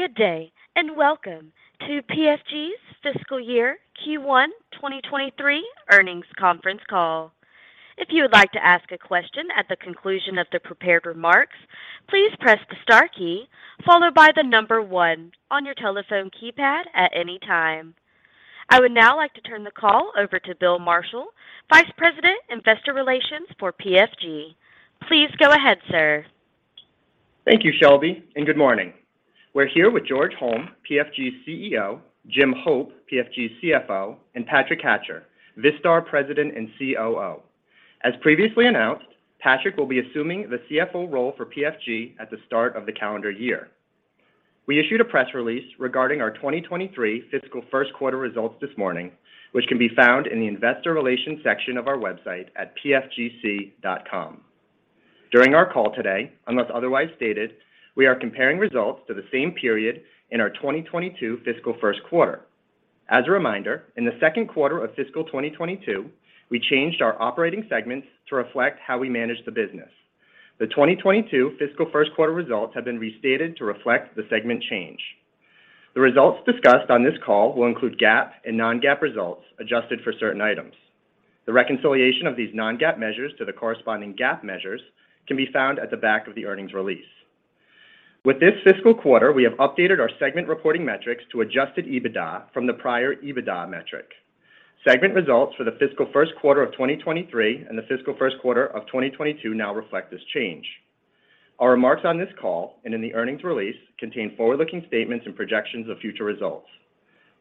Good day, and welcome to PFG's fiscal year Q1 2023 earnings conference call. If you would like to ask a question at the conclusion of the prepared remarks, please press the star key followed by the number one on your telephone keypad at any time. I would now like to turn the call over to Bill Marshall, Vice President, Investor Relations for PFG. Please go ahead, sir. Thank you, Shelby, and good morning. We're here with George Holm, PFG's CEO; Jim Hope, PFG's CFO; and Patrick Hatcher, Vistar President and COO. As previously announced, Patrick will be assuming the CFO role for PFG at the start of the calendar year. We issued a press release regarding our 2023 fiscal first quarter results this morning, which can be found in the Investor Relations section of our website at pfgc.com. During our call today, unless otherwise stated, we are comparing results to the same period in our 2022 fiscal first quarter. As a reminder, in the second quarter of fiscal 2022, we changed our operating segments to reflect how we manage the business. The 2022 fiscal first quarter results have been restated to reflect the segment change. The results discussed on this call will include GAAP and non-GAAP results adjusted for certain items. The reconciliation of these non-GAAP measures to the corresponding GAAP measures can be found at the back of the earnings release. With this fiscal quarter, we have updated our segment reporting metrics to adjusted EBITDA from the prior EBITDA metric. Segment results for the fiscal first quarter of 2023 and the fiscal first quarter of 2022 now reflect this change. Our remarks on this call and in the earnings release contain forward-looking statements and projections of future results.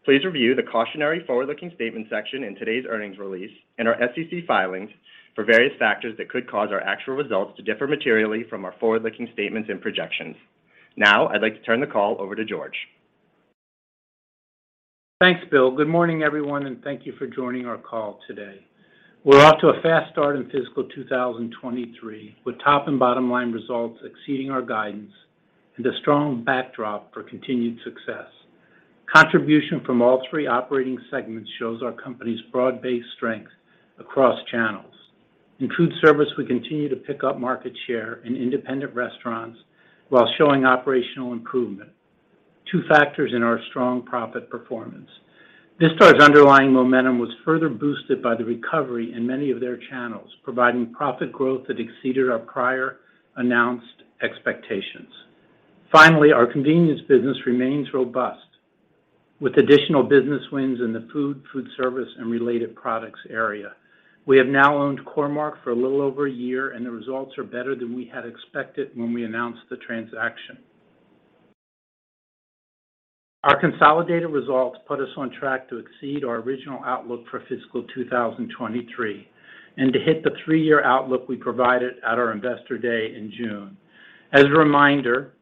Please review the Cautionary Forward-Looking Statement section in today's earnings release and our SEC filings for various factors that could cause our actual results to differ materially from our forward-looking statements and projections. Now, I'd like to turn the call over to George. Thanks, Bill. Good morning, everyone, and thank you for joining our call today. We're off to a fast start in fiscal 2023, with top and bottom line results exceeding our guidance and a strong backdrop for continued success. Contribution from all three operating segments shows our company's broad-based strength across channels. In food service, we continue to pick up market share in independent restaurants while showing operational improvement, two factors in our strong profit performance. Vistar's underlying momentum was further boosted by the recovery in many of their channels, providing profit growth that exceeded our prior announced expectations. Finally, our convenience business remains robust with additional business wins in the food service, and related products area. We have now owned Core-Mark for a little over a year, and the results are better than we had expected when we announced the transaction. Our consolidated results put us on track to exceed our original outlook for fiscal 2023 and to hit the three-year outlook we provided at our Investor Day in June. As a reminder,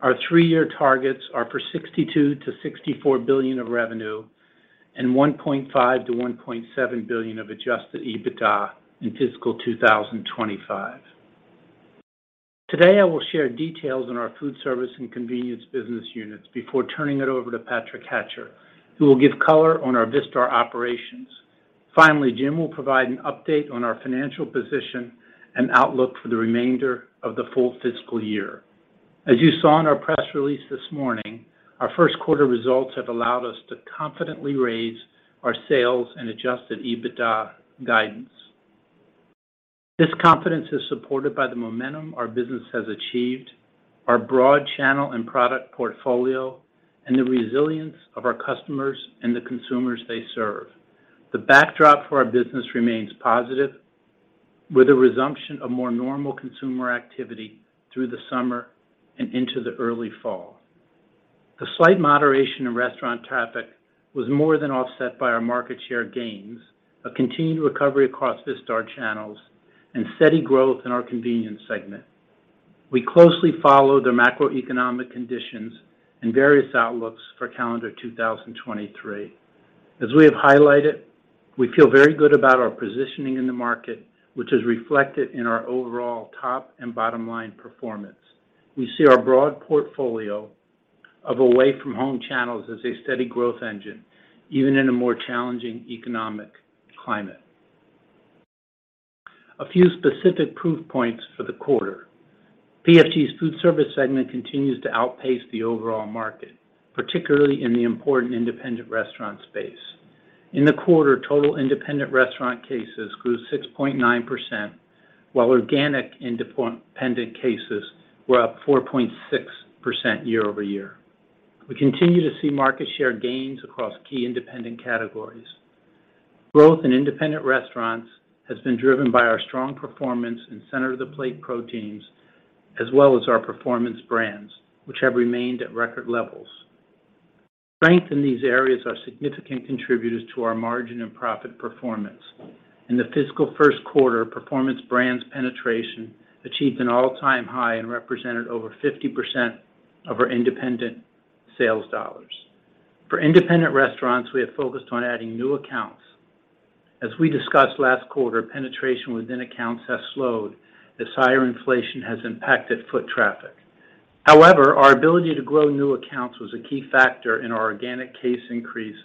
our three-year targets are for $62 billion-$64 billion of revenue and $1.5 billion-$1.7 billion of adjusted EBITDA in fiscal 2025. Today, I will share details on our food service and convenience business units before turning it over to Patrick Hatcher, who will give color on our Vistar operations. Finally, Jim will provide an update on our financial position and outlook for the remainder of the full fiscal year. As you saw in our press release this morning, our first quarter results have allowed us to confidently raise our sales and adjusted EBITDA guidance. This confidence is supported by the momentum our business has achieved, our broad channel and product portfolio, and the resilience of our customers and the consumers they serve. The backdrop for our business remains positive, with a resumption of more normal consumer activity through the summer and into the early fall. The slight moderation in restaurant traffic was more than offset by our market share gains, a continued recovery across Vistar channels, and steady growth in our convenience segment. We closely follow the macroeconomic conditions and various outlooks for calendar 2023. As we have highlighted, we feel very good about our positioning in the market, which is reflected in our overall top and bottom line performance. We see our broad portfolio of away from home channels as a steady growth engine, even in a more challenging economic climate. A few specific proof points for the quarter. PFG's food service segment continues to outpace the overall market, particularly in the important independent restaurant space. In the quarter, total independent restaurant cases grew 6.9%, while organic independent cases were up 4.6% year-over-year. We continue to see market share gains across key independent categories. Growth in independent restaurants has been driven by our strong performance in center of the plate proteins as well as our Performance brands, which have remained at record levels. Strength in these areas are significant contributors to our margin and profit performance. In the fiscal first quarter, Performance brands penetration achieved an all-time high and represented over 50% of our independent sales dollars. For independent restaurants, we have focused on adding new accounts. As we discussed last quarter, penetration within accounts has slowed as higher inflation has impacted foot traffic. However, our ability to grow new accounts was a key factor in our organic case increase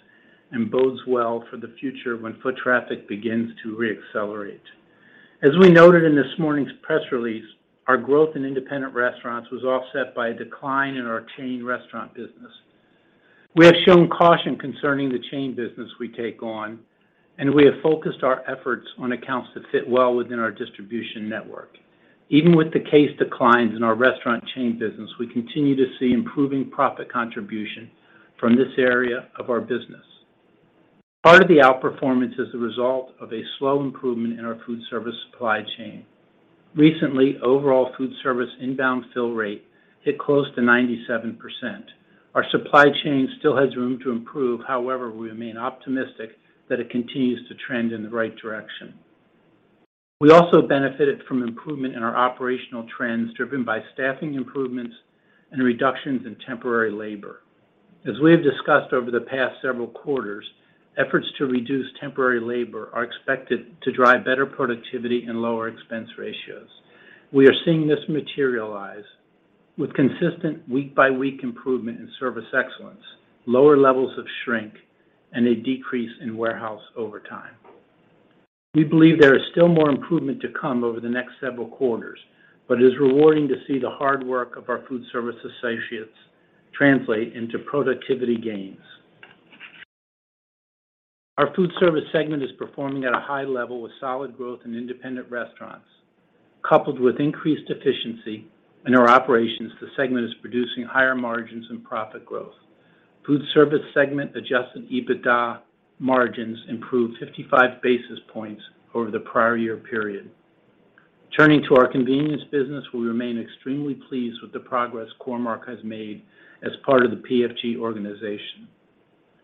and bodes well for the future when foot traffic begins to re-accelerate. As we noted in this morning's press release, our growth in independent restaurants was offset by a decline in our chain restaurant business. We have shown caution concerning the chain business we take on, and we have focused our efforts on accounts that fit well within our distribution network. Even with the case declines in our restaurant chain business, we continue to see improving profit contribution from this area of our business. Part of the outperformance is the result of a slow improvement in our foodservice supply chain. Recently, overall foodservice inbound fill rate hit close to 97%. Our supply chain still has room to improve. However, we remain optimistic that it continues to trend in the right direction. We also benefited from improvement in our operational trends, driven by staffing improvements and reductions in temporary labor. As we have discussed over the past several quarters, efforts to reduce temporary labor are expected to drive better productivity and lower expense ratios. We are seeing this materialize with consistent week-by-week improvement in service excellence, lower levels of shrink, and a decrease in warehouse overtime. We believe there is still more improvement to come over the next several quarters, but it is rewarding to see the hard work of our Foodservice associates translate into productivity gains. Our Foodservice segment is performing at a high level with solid growth in independent restaurants. Coupled with increased efficiency in our operations, the segment is producing higher margins and profit growth. Foodservice segment adjusted EBITDA margins improved 55 basis points over the prior year period. Turning to our convenience business, we remain extremely pleased with the progress Core-Mark has made as part of the PFG organization.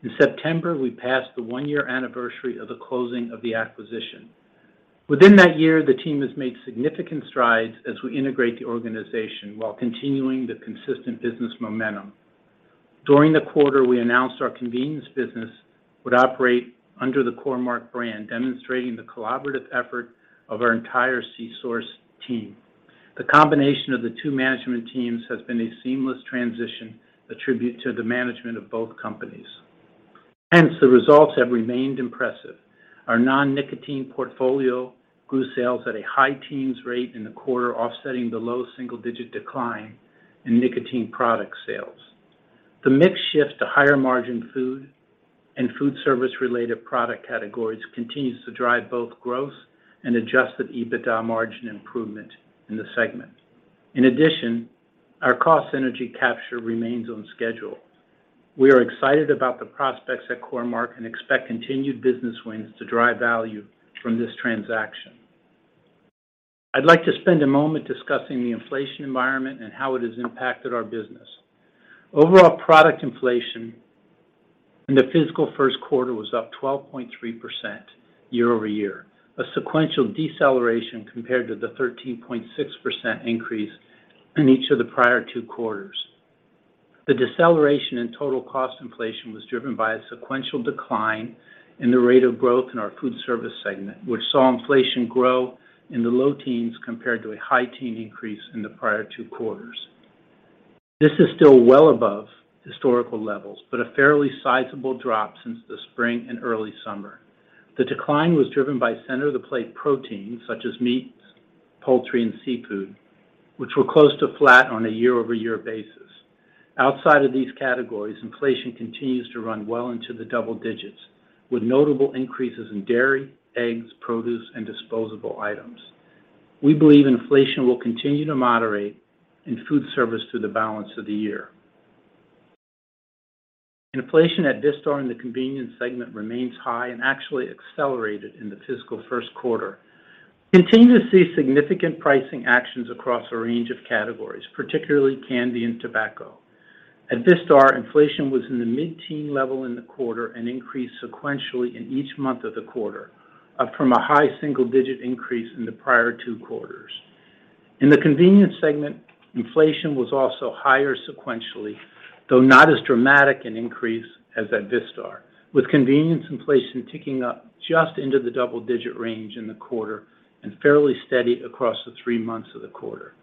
In September, we passed the one-year anniversary of the closing of the acquisition. Within that year, the team has made significant strides as we integrate the organization while continuing the consistent business momentum. During the quarter, we announced our convenience business would operate under the Core-Mark brand, demonstrating the collaborative effort of our entire c-store team. The combination of the two management teams has been a seamless transition, attributable to the management of both companies. Hence, the results have remained impressive. Our non-nicotine portfolio grew sales at a high-teens rate in the quarter, offsetting the low single-digit decline in nicotine product sales. The mix shift to higher margin food and foodservice-related product categories continues to drive both growth and adjusted EBITDA margin improvement in the segment. In addition, our cost synergy capture remains on schedule. We are excited about the prospects at Core-Mark and expect continued business wins to drive value from this transaction. I'd like to spend a moment discussing the inflation environment and how it has impacted our business. Overall product inflation in the fiscal first quarter was up 12.3% year-over-year, a sequential deceleration compared to the 13.6% increase in each of the prior two quarters. The deceleration in total cost inflation was driven by a sequential decline in the rate of growth in our food service segment, which saw inflation grow in the low teens compared to a high-teen increase in the prior two quarters. This is still well above historical levels, but a fairly sizable drop since the spring and early summer. The decline was driven by center of the plate proteins such as meats, poultry, and seafood, which were close to flat on a year-over-year basis. Outside of these categories, inflation continues to run well into the double digits, with notable increases in dairy, eggs, produce, and disposable items. We believe inflation will continue to moderate in Foodservice through the balance of the year. Inflation at Vistar in the convenience segment remains high and actually accelerated in the fiscal first quarter. We continue to see significant pricing actions across a range of categories, particularly candy and tobacco. At Vistar, inflation was in the mid-teen level in the quarter and increased sequentially in each month of the quarter, up from a high single-digit increase in the prior two quarters. In the convenience segment, inflation was also higher sequentially, though not as dramatic an increase as at Vistar, with convenience inflation ticking up just into the double-digit range in the quarter and fairly steady across the three months of the quarter.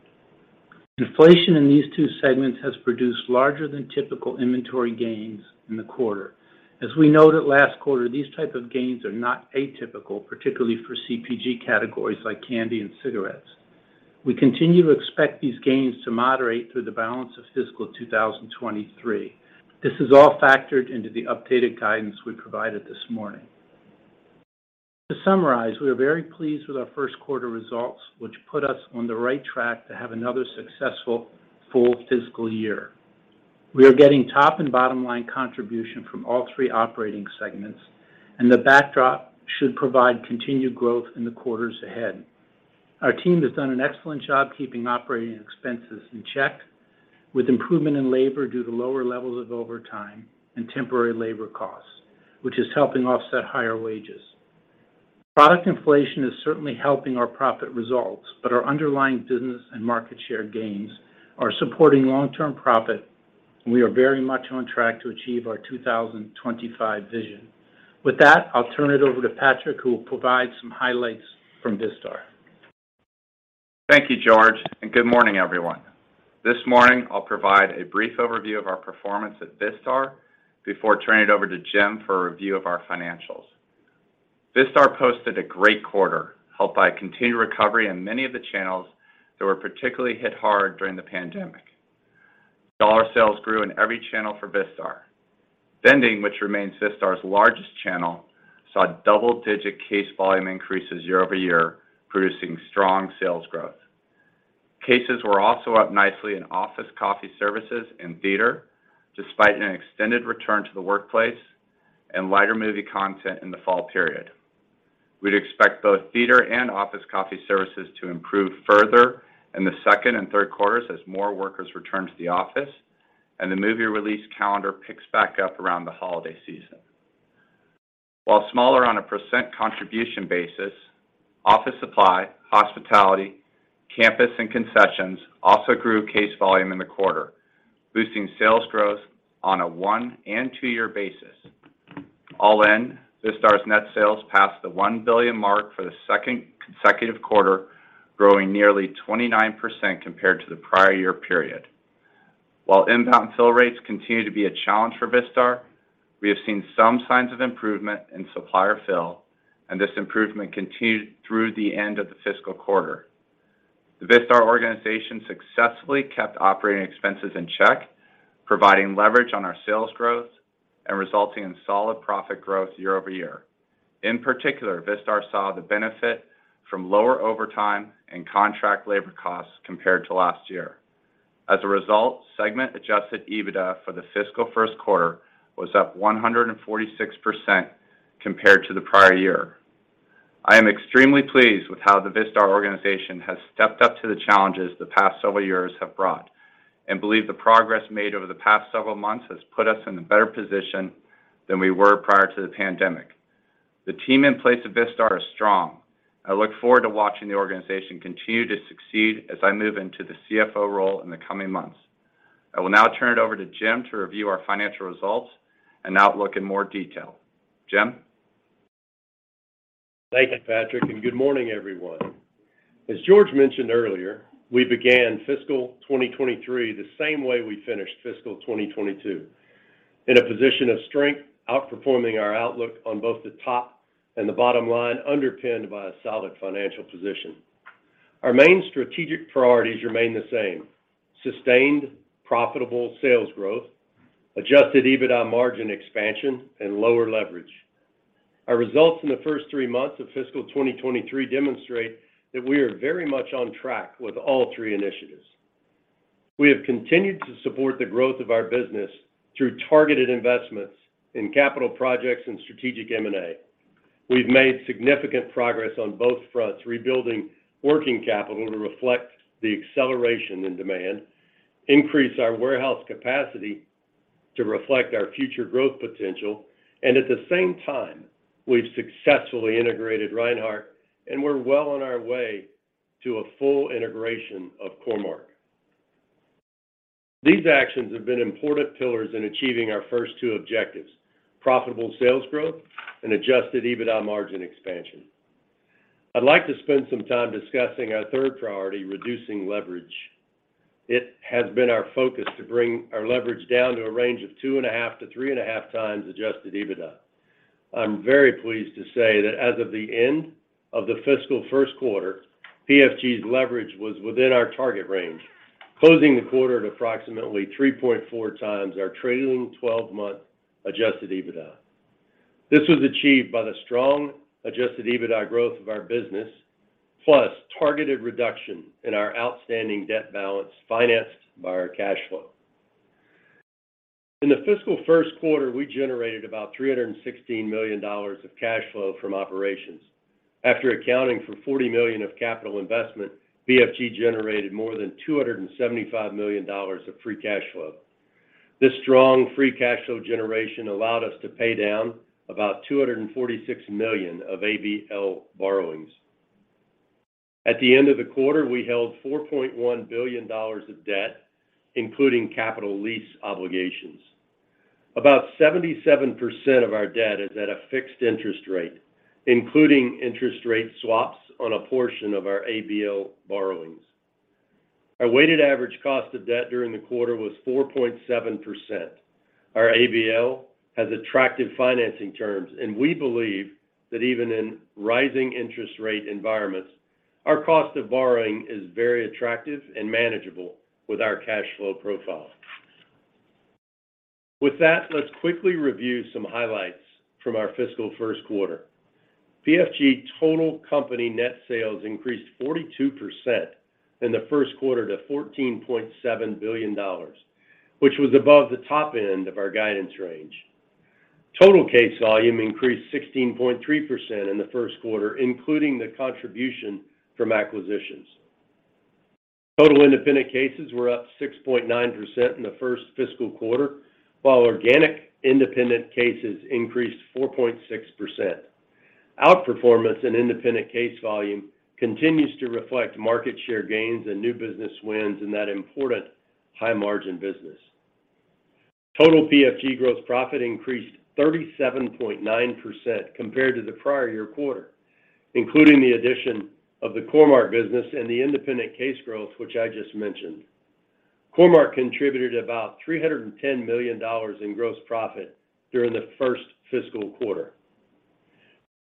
Inflation in these two segments has produced larger than typical inventory gains in the quarter. As we noted last quarter, these type of gains are not atypical, particularly for CPG categories like candy and cigarettes. We continue to expect these gains to moderate through the balance of fiscal 2023. This is all factored into the updated guidance we provided this morning. To summarize, we are very pleased with our first quarter results, which put us on the right track to have another successful full fiscal year. We are getting top and bottom line contribution from all three operating segments, and the backdrop should provide continued growth in the quarters ahead. Our team has done an excellent job keeping operating expenses in check with improvement in labor due to lower levels of overtime and temporary labor costs, which is helping offset higher wages. Product inflation is certainly helping our profit results, but our underlying business and market share gains are supporting long-term profit, and we are very much on track to achieve our 2025 vision. With that, I'll turn it over to Patrick, who will provide some highlights from Vistar. Thank you, George, and good morning, everyone. This morning, I'll provide a brief overview of our performance at Vistar before turning it over to Jim for a review of our financials. Vistar posted a great quarter, helped by continued recovery in many of the channels that were particularly hit hard during the pandemic. Dollar sales grew in every channel for Vistar. Vending, which remains Vistar's largest channel, saw double-digit case volume increases year-over-year, producing strong sales growth. Cases were also up nicely in office coffee services and theater, despite an extended return to the workplace and lighter movie content in the fall period. We'd expect both theater and office coffee services to improve further in the second and third quarters as more workers return to the office and the movie release calendar picks back up around the holiday season. While smaller on a percent contribution basis, office supply, hospitality, campus, and concessions also grew case volume in the quarter, boosting sales growth on a one- and two-year basis. All in, Vistar's net sales passed the $1 billion mark for the second consecutive quarter, growing nearly 29% compared to the prior year period. While inbound fill rates continue to be a challenge for Vistar, we have seen some signs of improvement in supplier fill, and this improvement continued through the end of the fiscal quarter. The Vistar organization successfully kept operating expenses in check, providing leverage on our sales growth and resulting in solid profit growth year over year. In particular, Vistar saw the benefit from lower overtime and contract labor costs compared to last year. As a result, segment adjusted EBITDA for the fiscal first quarter was up 146% compared to the prior year. I am extremely pleased with how the Vistar organization has stepped up to the challenges the past several years have brought, and believe the progress made over the past several months has put us in a better position than we were prior to the pandemic. The team in place at Vistar is strong. I look forward to watching the organization continue to succeed as I move into the CFO role in the coming months. I will now turn it over to Jim to review our financial results and outlook in more detail. Jim? Thank you, Patrick, and good morning, everyone. As George mentioned earlier, we began fiscal 2023 the same way we finished fiscal 2022, in a position of strength, outperforming our outlook on both the top and the bottom line, underpinned by a solid financial position. Our main strategic priorities remain the same: sustained, profitable sales growth, adjusted EBITDA margin expansion, and lower leverage. Our results in the first three months of fiscal 2023 demonstrate that we are very much on track with all three initiatives. We have continued to support the growth of our business through targeted investments in capital projects and strategic M&A. We've made significant progress on both fronts, rebuilding working capital to reflect the acceleration in demand, increase our warehouse capacity to reflect our future growth potential, and at the same time, we've successfully integrated Reinhart, and we're well on our way to a full integration of Core-Mark. These actions have been important pillars in achieving our first two objectives, profitable sales growth and adjusted EBITDA margin expansion. I'd like to spend some time discussing our third priority, reducing leverage. It has been our focus to bring our leverage down to a range of 2.5x-3.5x adjusted EBITDA. I'm very pleased to say that as of the end of the fiscal first quarter, PFG's leverage was within our target range, closing the quarter at approximately 3.4x our trailing twelve-month adjusted EBITDA. This was achieved by the strong adjusted EBITDA growth of our business, plus targeted reduction in our outstanding debt balance financed by our cash flow. In the fiscal first quarter, we generated about $316 million of cash flow from operations. After accounting for $40 million of capital investment, PFG generated more than $275 million of free cash flow. This strong free cash flow generation allowed us to pay down about $246 million of ABL borrowings. At the end of the quarter, we held $4.1 billion of debt, including capital lease obligations. About 77% of our debt is at a fixed interest rate, including interest rate swaps on a portion of our ABL borrowings. Our weighted average cost of debt during the quarter was 4.7%. Our ABL has attractive financing terms, and we believe that even in rising interest rate environments, our cost of borrowing is very attractive and manageable with our cash flow profile. With that, let's quickly review some highlights from our fiscal first quarter. PFG total company net sales increased 42% in the first quarter to $14.7 billion, which was above the top end of our guidance range. Total case volume increased 16.3% in the first quarter, including the contribution from acquisitions. Total independent cases were up 6.9% in the first fiscal quarter, while organic independent cases increased 4.6%. Outperformance in independent case volume continues to reflect market share gains and new business wins in that important high margin business. Total PFG gross profit increased 37.9% compared to the prior year quarter, including the addition of the Core-Mark business and the independent case growth, which I just mentioned. Core-Mark contributed about $310 million in gross profit during the first fiscal quarter.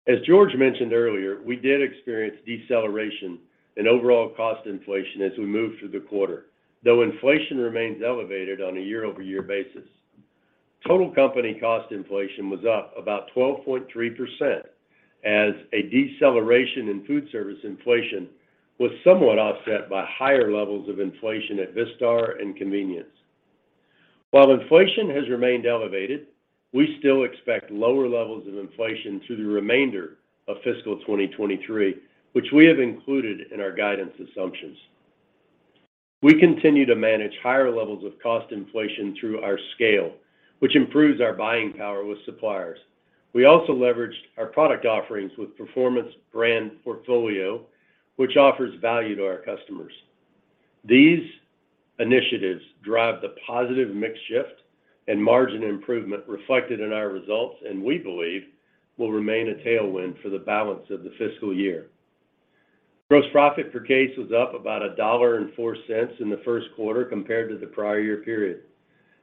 As George mentioned earlier, we did experience deceleration in overall cost inflation as we moved through the quarter, though inflation remains elevated on a year-over-year basis. Total company cost inflation was up about 12.3% as a deceleration in food service inflation was somewhat offset by higher levels of inflation at Vistar and convenience. While inflation has remained elevated, we still expect lower levels of inflation through the remainder of fiscal 2023, which we have included in our guidance assumptions. We continue to manage higher levels of cost inflation through our scale, which improves our buying power with suppliers. We also leveraged our product offerings with Performance brands portfolio, which offers value to our customers. These initiatives drive the positive mix shift and margin improvement reflected in our results, and we believe will remain a tailwind for the balance of the fiscal year. Gross profit per case was up about $1.04 in the first quarter compared to the prior year period.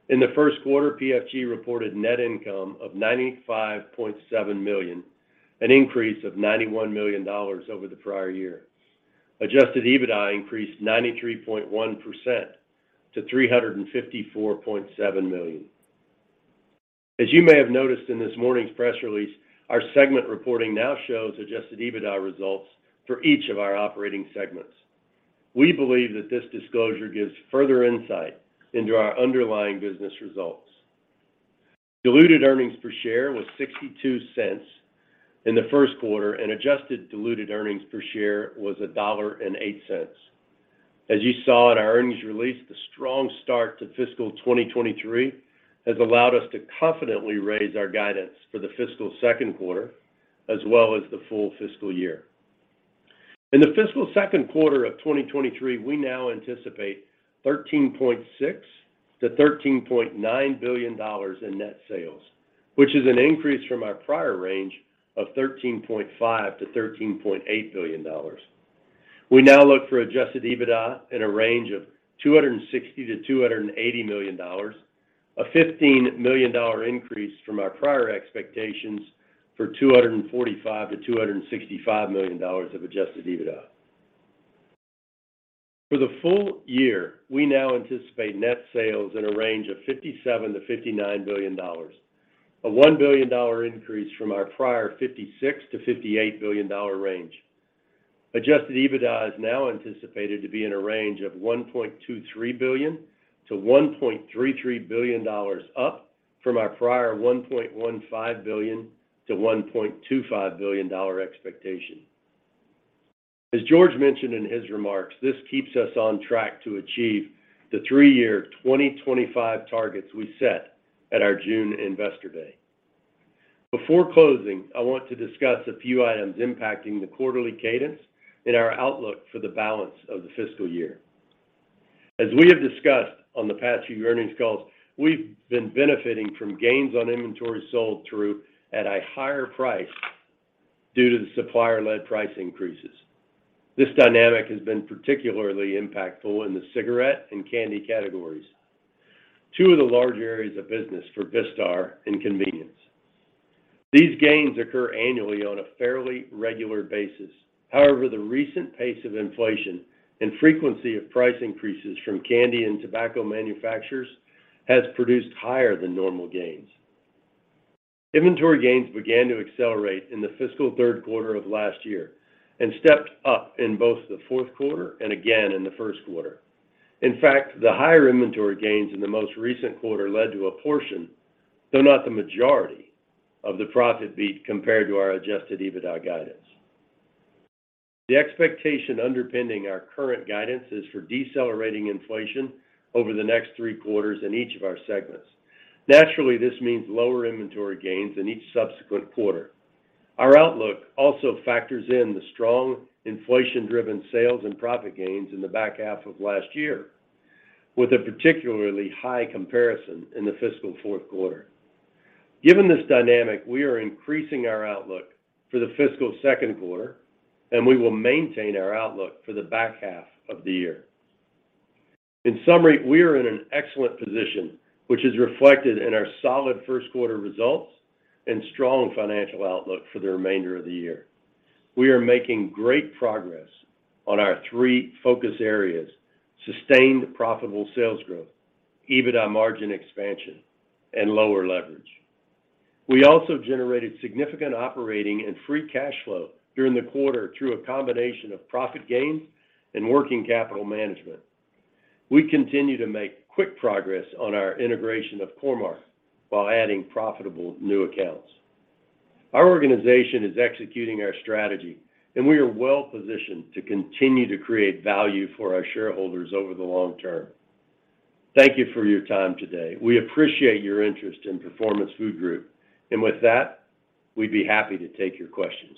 In the first quarter, PFG reported net income of $95.7 million, an increase of $91 million over the prior year. Adjusted EBITDA increased 93.1% to $354.7 million. As you may have noticed in this morning's press release, our segment reporting now shows adjusted EBITDA results for each of our operating segments. We believe that this disclosure gives further insight into our underlying business results. Diluted earnings per share was $0.62 in the first quarter, and adjusted diluted earnings per share was $1.08. As you saw in our earnings release, the strong start to fiscal 2023 has allowed us to confidently raise our guidance for the fiscal second quarter as well as the full fiscal year. In the fiscal second quarter of 2023, we now anticipate $13.6 billion-$13.9 billion in net sales, which is an increase from our prior range of $13.5 billion-$13.8 billion. We now look for adjusted EBITDA in a range of $260 million-$280 million, a $15 million increase from our prior expectations for $245 million-$265 million of adjusted EBITDA. For the full year, we now anticipate net sales in a range of $57 billion-$59 billion, a $1 billion increase from our prior $56 billion-$58 billion range. Adjusted EBITDA is now anticipated to be in a range of $1.23 billion-$1.33 billion up from our prior $1.15 billion-$1.25 billion expectation. As George mentioned in his remarks, this keeps us on track to achieve the three-year 2025 targets we set at our June Investor Day. Before closing, I want to discuss a few items impacting the quarterly cadence in our outlook for the balance of the fiscal year. As we have discussed on the past few earnings calls, we've been benefiting from gains on inventory sold through at a higher price due to the supplier-led price increases. This dynamic has been particularly impactful in the cigarette and candy categories, two of the large areas of business for Vistar and convenience. These gains occur annually on a fairly regular basis. However, the recent pace of inflation and frequency of price increases from candy and tobacco manufacturers has produced higher than normal gains. Inventory gains began to accelerate in the fiscal third quarter of last year and stepped up in both the fourth quarter and again in the first quarter. In fact, the higher inventory gains in the most recent quarter led to a portion, though not the majority, of the profit beat compared to our adjusted EBITDA guidance. The expectation underpinning our current guidance is for decelerating inflation over the next three quarters in each of our segments. Naturally, this means lower inventory gains in each subsequent quarter. Our outlook also factors in the strong inflation-driven sales and profit gains in the back half of last year, with a particularly high comparison in the fiscal fourth quarter. Given this dynamic, we are increasing our outlook for the fiscal second quarter, and we will maintain our outlook for the back half of the year. In summary, we are in an excellent position, which is reflected in our solid first quarter results and strong financial outlook for the remainder of the year. We are making great progress on our three focus areas, sustained profitable sales growth, EBITDA margin expansion, and lower leverage. We also generated significant operating and free cash flow during the quarter through a combination of profit gains and working capital management. We continue to make quick progress on our integration of Core-Mark while adding profitable new accounts. Our organization is executing our strategy, and we are well positioned to continue to create value for our shareholders over the long term. Thank you for your time today. We appreciate your interest in Performance Food Group. With that, we'd be happy to take your questions.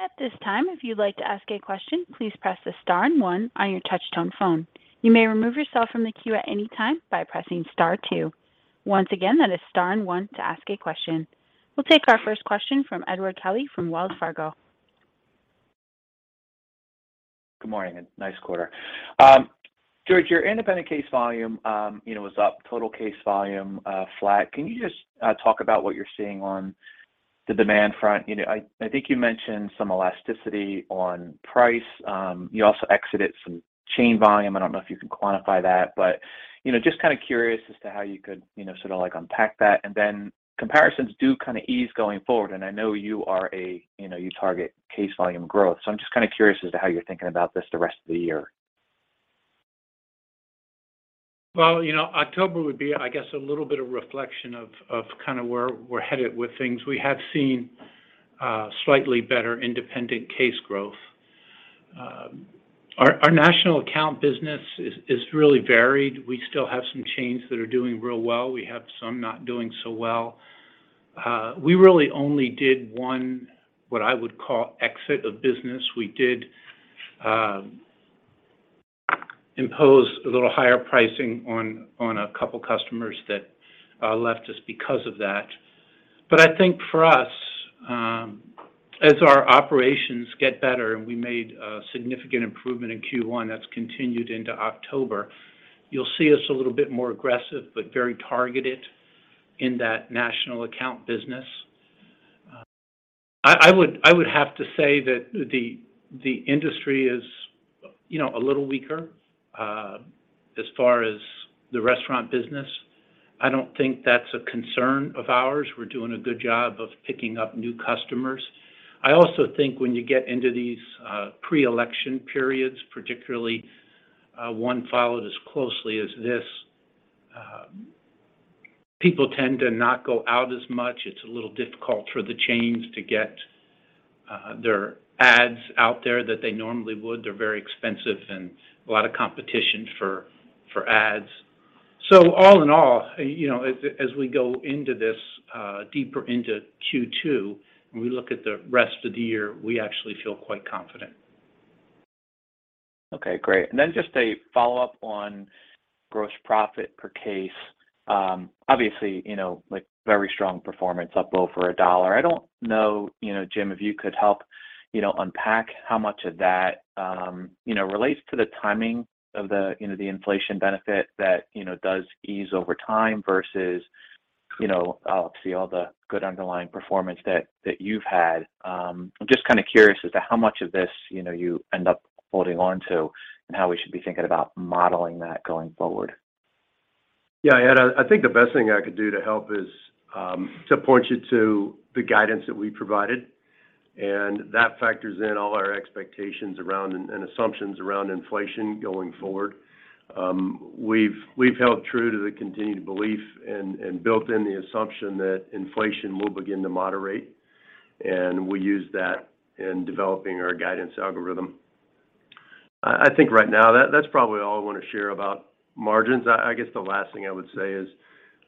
At this time, if you'd like to ask a question, please press the star and one on your touch-tone phone. You may remove yourself from the queue at any time by pressing star two. Once again, that is star and one to ask a question. We'll take our first question from Edward Kelly from Wells Fargo. Good morning, and nice quarter. George, your independent case volume, you know, was up. Total case volume, flat. Can you just talk about what you're seeing on the demand front? You know, I think you mentioned some elasticity on price. You also exited some chain volume. I don't know if you can quantify that. You know, just kinda curious as to how you could, you know, sort of like unpack that. Then comparisons do kinda ease going forward, and I know you know, target case volume growth. I'm just kinda curious as to how you're thinking about this the rest of the year. Well, you know, October would be, I guess, a little bit of reflection of kinda where we're headed with things. We have seen slightly better independent case growth. Our national account business is really varied. We still have some chains that are doing real well. We have some not doing so well. We really only did one what I would call exit of business. We did impose a little higher pricing on a couple customers that left us because of that. I think for us, as our operations get better, and we made a significant improvement in Q1 that's continued into October, you'll see us a little bit more aggressive but very targeted in that national account business. I would have to say that the industry is, you know, a little weaker as far as the restaurant business. I don't think that's a concern of ours. We're doing a good job of picking up new customers. I also think when you get into these pre-election periods, particularly one followed as closely as this, people tend to not go out as much. It's a little difficult for the chains to get their ads out there that they normally would. They're very expensive and a lot of competition for ads. All in all, you know, as we go into this deeper into Q2, when we look at the rest of the year, we actually feel quite confident. Okay, great. Then just a follow-up on gross profit per case. Obviously, you know, like very strong performance, up over $1. I don't know, you know, Jim, if you could help, you know, unpack how much of that, you know, relates to the timing of the, you know, the inflation benefit that, you know, does ease over time versus, you know, obviously all the good underlying performance that you've had. I'm just kinda curious as to how much of this, you know, you end up holding onto and how we should be thinking about modeling that going forward. Yeah, Ed, I think the best thing I could do to help is to point you to the guidance that we provided, and that factors in all our expectations around and assumptions around inflation going forward. We've held true to the continued belief and built in the assumption that inflation will begin to moderate, and we use that in developing our guidance algorithm. I think right now that's probably all I wanna share about margins. I guess the last thing I would say is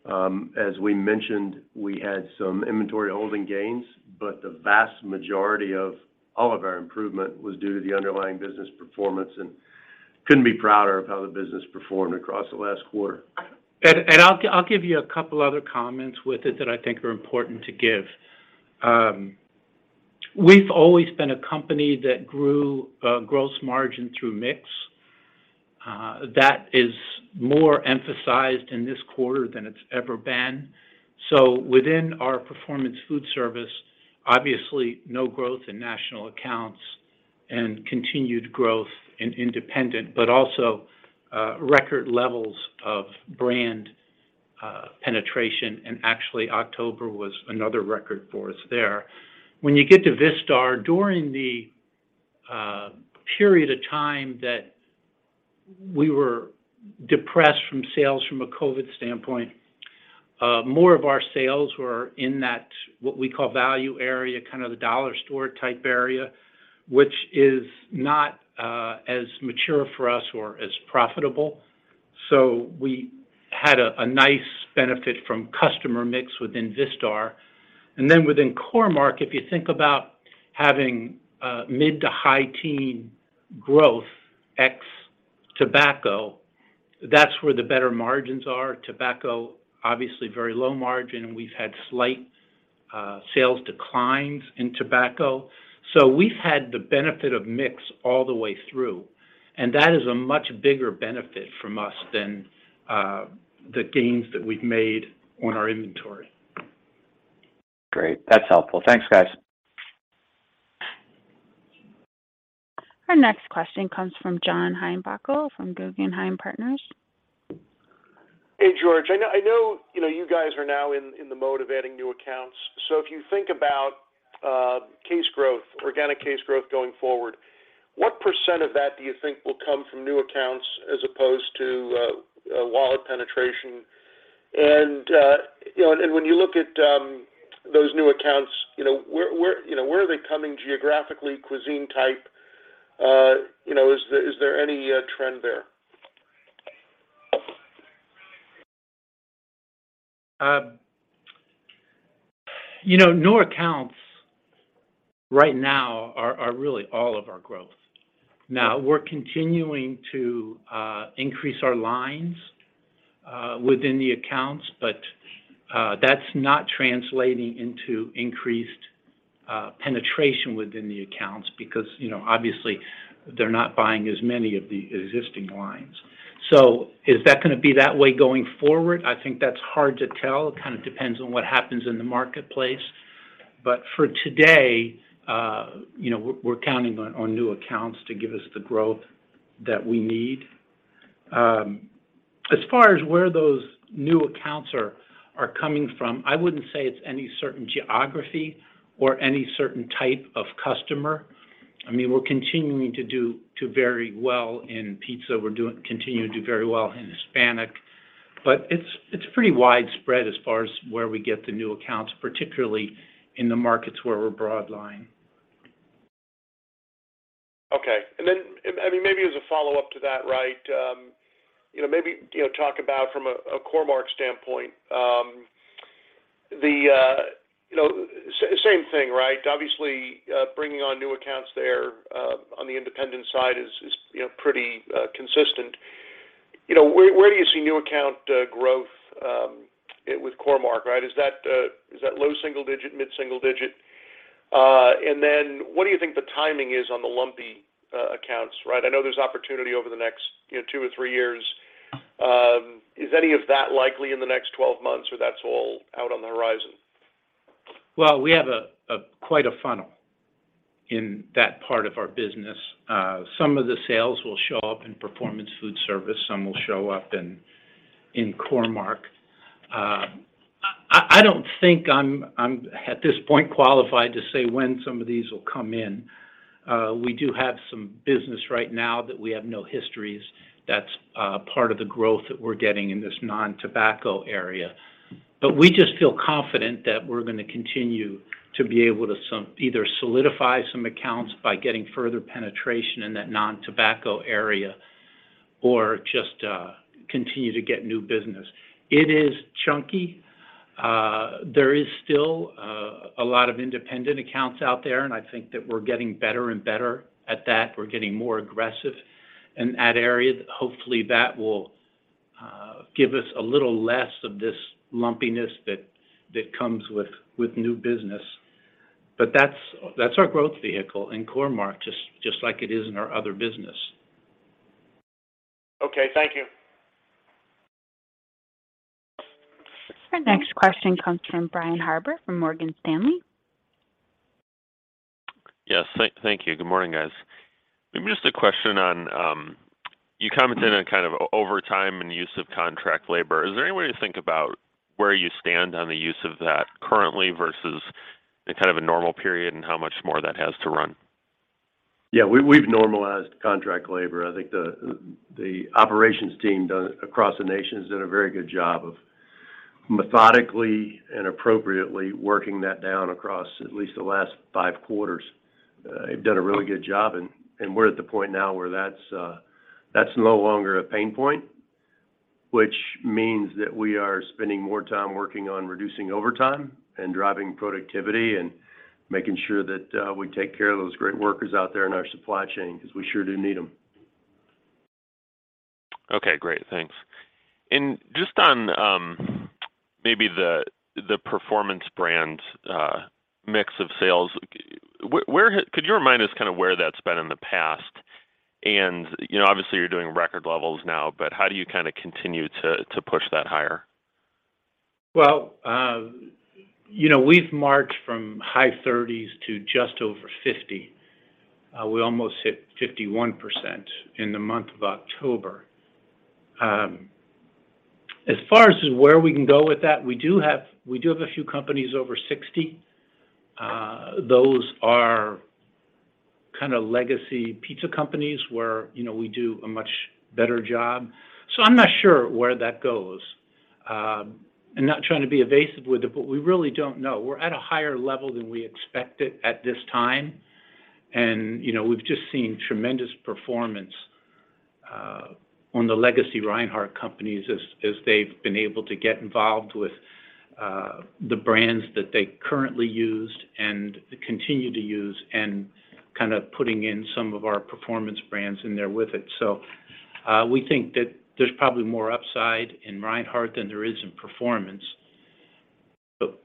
as we mentioned, we had some inventory holding gains, but the vast majority of all of our improvement was due to the underlying business performance and couldn't be prouder of how the business performed across the last quarter. I'll give you a couple other comments with it that I think are important to give. We've always been a company that grew gross margin through mix. That is more emphasized in this quarter than it's ever been. Within our Performance Foodservice, obviously no growth in national accounts and continued growth in independent, but also record levels of brand penetration, and actually October was another record for us there. When you get to Vistar, during the period of time that we were depressed from sales from a COVID standpoint, more of our sales were in that what we call value area, kind of the dollar store type area, which is not as mature for us or as profitable. We had a nice benefit from customer mix within Vistar. Within Core-Mark, if you think about having mid- to high-teens growth ex-tobacco, that's where the better margins are. Tobacco, obviously very low margin, and we've had slight sales declines in tobacco. We've had the benefit of mix all the way through, and that is a much bigger benefit from us than the gains that we've made on our inventory. Great. That's helpful. Thanks, guys. Our next question comes from John Heinbockel from Guggenheim Partners. Hey, George. I know, you know, you guys are now in the mode of adding new accounts. If you think about case growth, organic case growth going forward, what percent of that do you think will come from new accounts as opposed to wallet penetration? You know, when you look at those new accounts, you know, where are they coming geographically, cuisine type? You know, is there any trend there? You know, new accounts right now are really all of our growth. Now, we're continuing to increase our lines within the accounts, but that's not translating into increased penetration within the accounts because, you know, obviously they're not buying as many of the existing lines. So is that gonna be that way going forward? I think that's hard to tell. It kind of depends on what happens in the marketplace. But for today, you know, we're counting on new accounts to give us the growth that we need. As far as where those new accounts are coming from, I wouldn't say it's any certain geography or any certain type of customer. I mean, we're continuing to do very well in pizza. We're continuing to do very well in Hispanic, but it's pretty widespread as far as where we get the new accounts, particularly in the markets where we're broad line. Okay. I mean, maybe as a follow-up to that, right, you know, maybe, you know, talk about from a Core-Mark standpoint, the, you know, same thing, right? Obviously, bringing on new accounts there, on the independent side is, you know, pretty consistent. You know, where do you see new account growth with Core-Mark, right? Is that low single-digit, mid single-digit? What do you think the timing is on the lumpy accounts, right? I know there's opportunity over the next, you know, two or three years. Is any of that likely in the next 12 months, or that's all out on the horizon? Well, we have quite a funnel in that part of our business. Some of the sales will show up in Performance Foodservice, some will show up in Core-Mark. I don't think I'm at this point qualified to say when some of these will come in. We do have some business right now that we have no histories. That's part of the growth that we're getting in this non-tobacco area. We just feel confident that we're gonna continue to be able to either solidify some accounts by getting further penetration in that non-tobacco area or just continue to get new business. It is chunky. There is still a lot of independent accounts out there, and I think that we're getting better and better at that. We're getting more aggressive in that area. Hopefully, that will give us a little less of this lumpiness that comes with new business. That's our growth vehicle in Core-Mark, just like it is in our other business. Okay, thank you. Our next question comes from Brian Harbour from Morgan Stanley. Yes. Thank you. Good morning, guys. Maybe just a question on, you commented on kind of overtime and use of contract labor. Is there any way to think about where you stand on the use of that currently versus in kind of a normal period and how much more that has to run? Yeah. We've normalized contract labor. I think the operations team across the nation has done a very good job of methodically and appropriately working that down across at least the last five quarters. They've done a really good job and we're at the point now where that's no longer a pain point, which means that we are spending more time working on reducing overtime and driving productivity and making sure that we take care of those great workers out there in our supply chain because we sure do need them. Okay. Great. Thanks. Just on maybe the Performance brands mix of sales, where, could you remind us kind of where that's been in the past? You know, obviously you're doing record levels now, but how do you kind of continue to push that higher? Well, you know, we've marched from high 30s to just over 50. We almost hit 51% in the month of October. As far as where we can go with that, we do have a few companies over 60. Those are kind of legacy pizza companies where, you know, we do a much better job. I'm not sure where that goes. I'm not trying to be evasive with it, but we really don't know. We're at a higher level than we expected at this time. You know, we've just seen tremendous performance on the legacy Reinhart companies as they've been able to get involved with the brands that they currently used and continue to use and kind of putting in some of our Performance brands in there with it. We think that there's probably more upside in Reinhart than there is in Performance.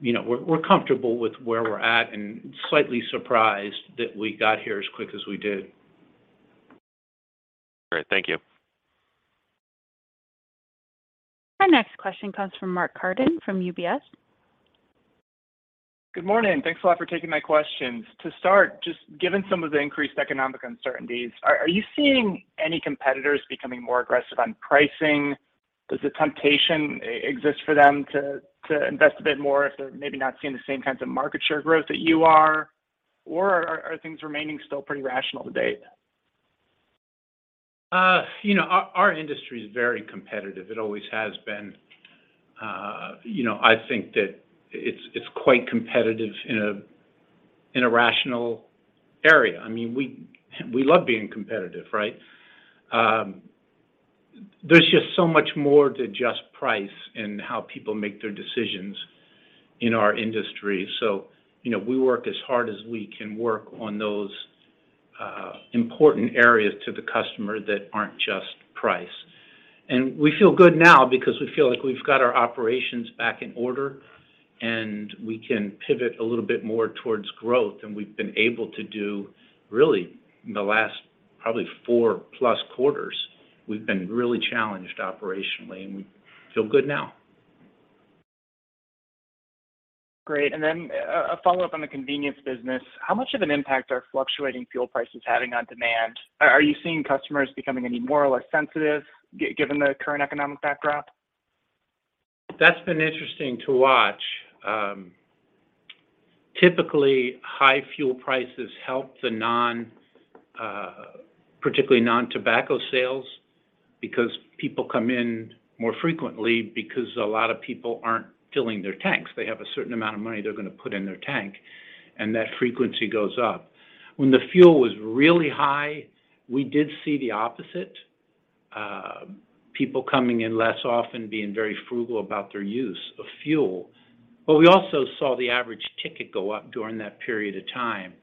You know, we're comfortable with where we're at and slightly surprised that we got here as quick as we did. Great. Thank you. Our next question comes from Mark Carden from UBS. Good morning. Thanks a lot for taking my questions. To start, just given some of the increased economic uncertainties, are you seeing any competitors becoming more aggressive on pricing? Does the temptation exist for them to invest a bit more if they're maybe not seeing the same kinds of market share growth that you are? Or are things remaining still pretty rational to date? You know, our industry is very competitive. It always has been. You know, I think that it's quite competitive in an irrational area. I mean, we love being competitive, right? There's just so much more to just price in how people make their decisions in our industry. You know, we work as hard as we can work on those important areas to the customer that aren't just price. We feel good now because we feel like we've got our operations back in order, and we can pivot a little bit more towards growth than we've been able to do, really, in the last probably four-plus quarters. We've been really challenged operationally, and we feel good now. Great. A follow-up on the convenience business. How much of an impact are fluctuating fuel prices having on demand? Are you seeing customers becoming any more or less sensitive given the current economic backdrop? That's been interesting to watch. Typically, high fuel prices help the particularly non-tobacco sales because people come in more frequently because a lot of people aren't filling their tanks. They have a certain amount of money they're gonna put in their tank, and that frequency goes up. When the fuel was really high, we did see the opposite, people coming in less often, being very frugal about their use of fuel. But we also saw the average ticket go up during that period of time.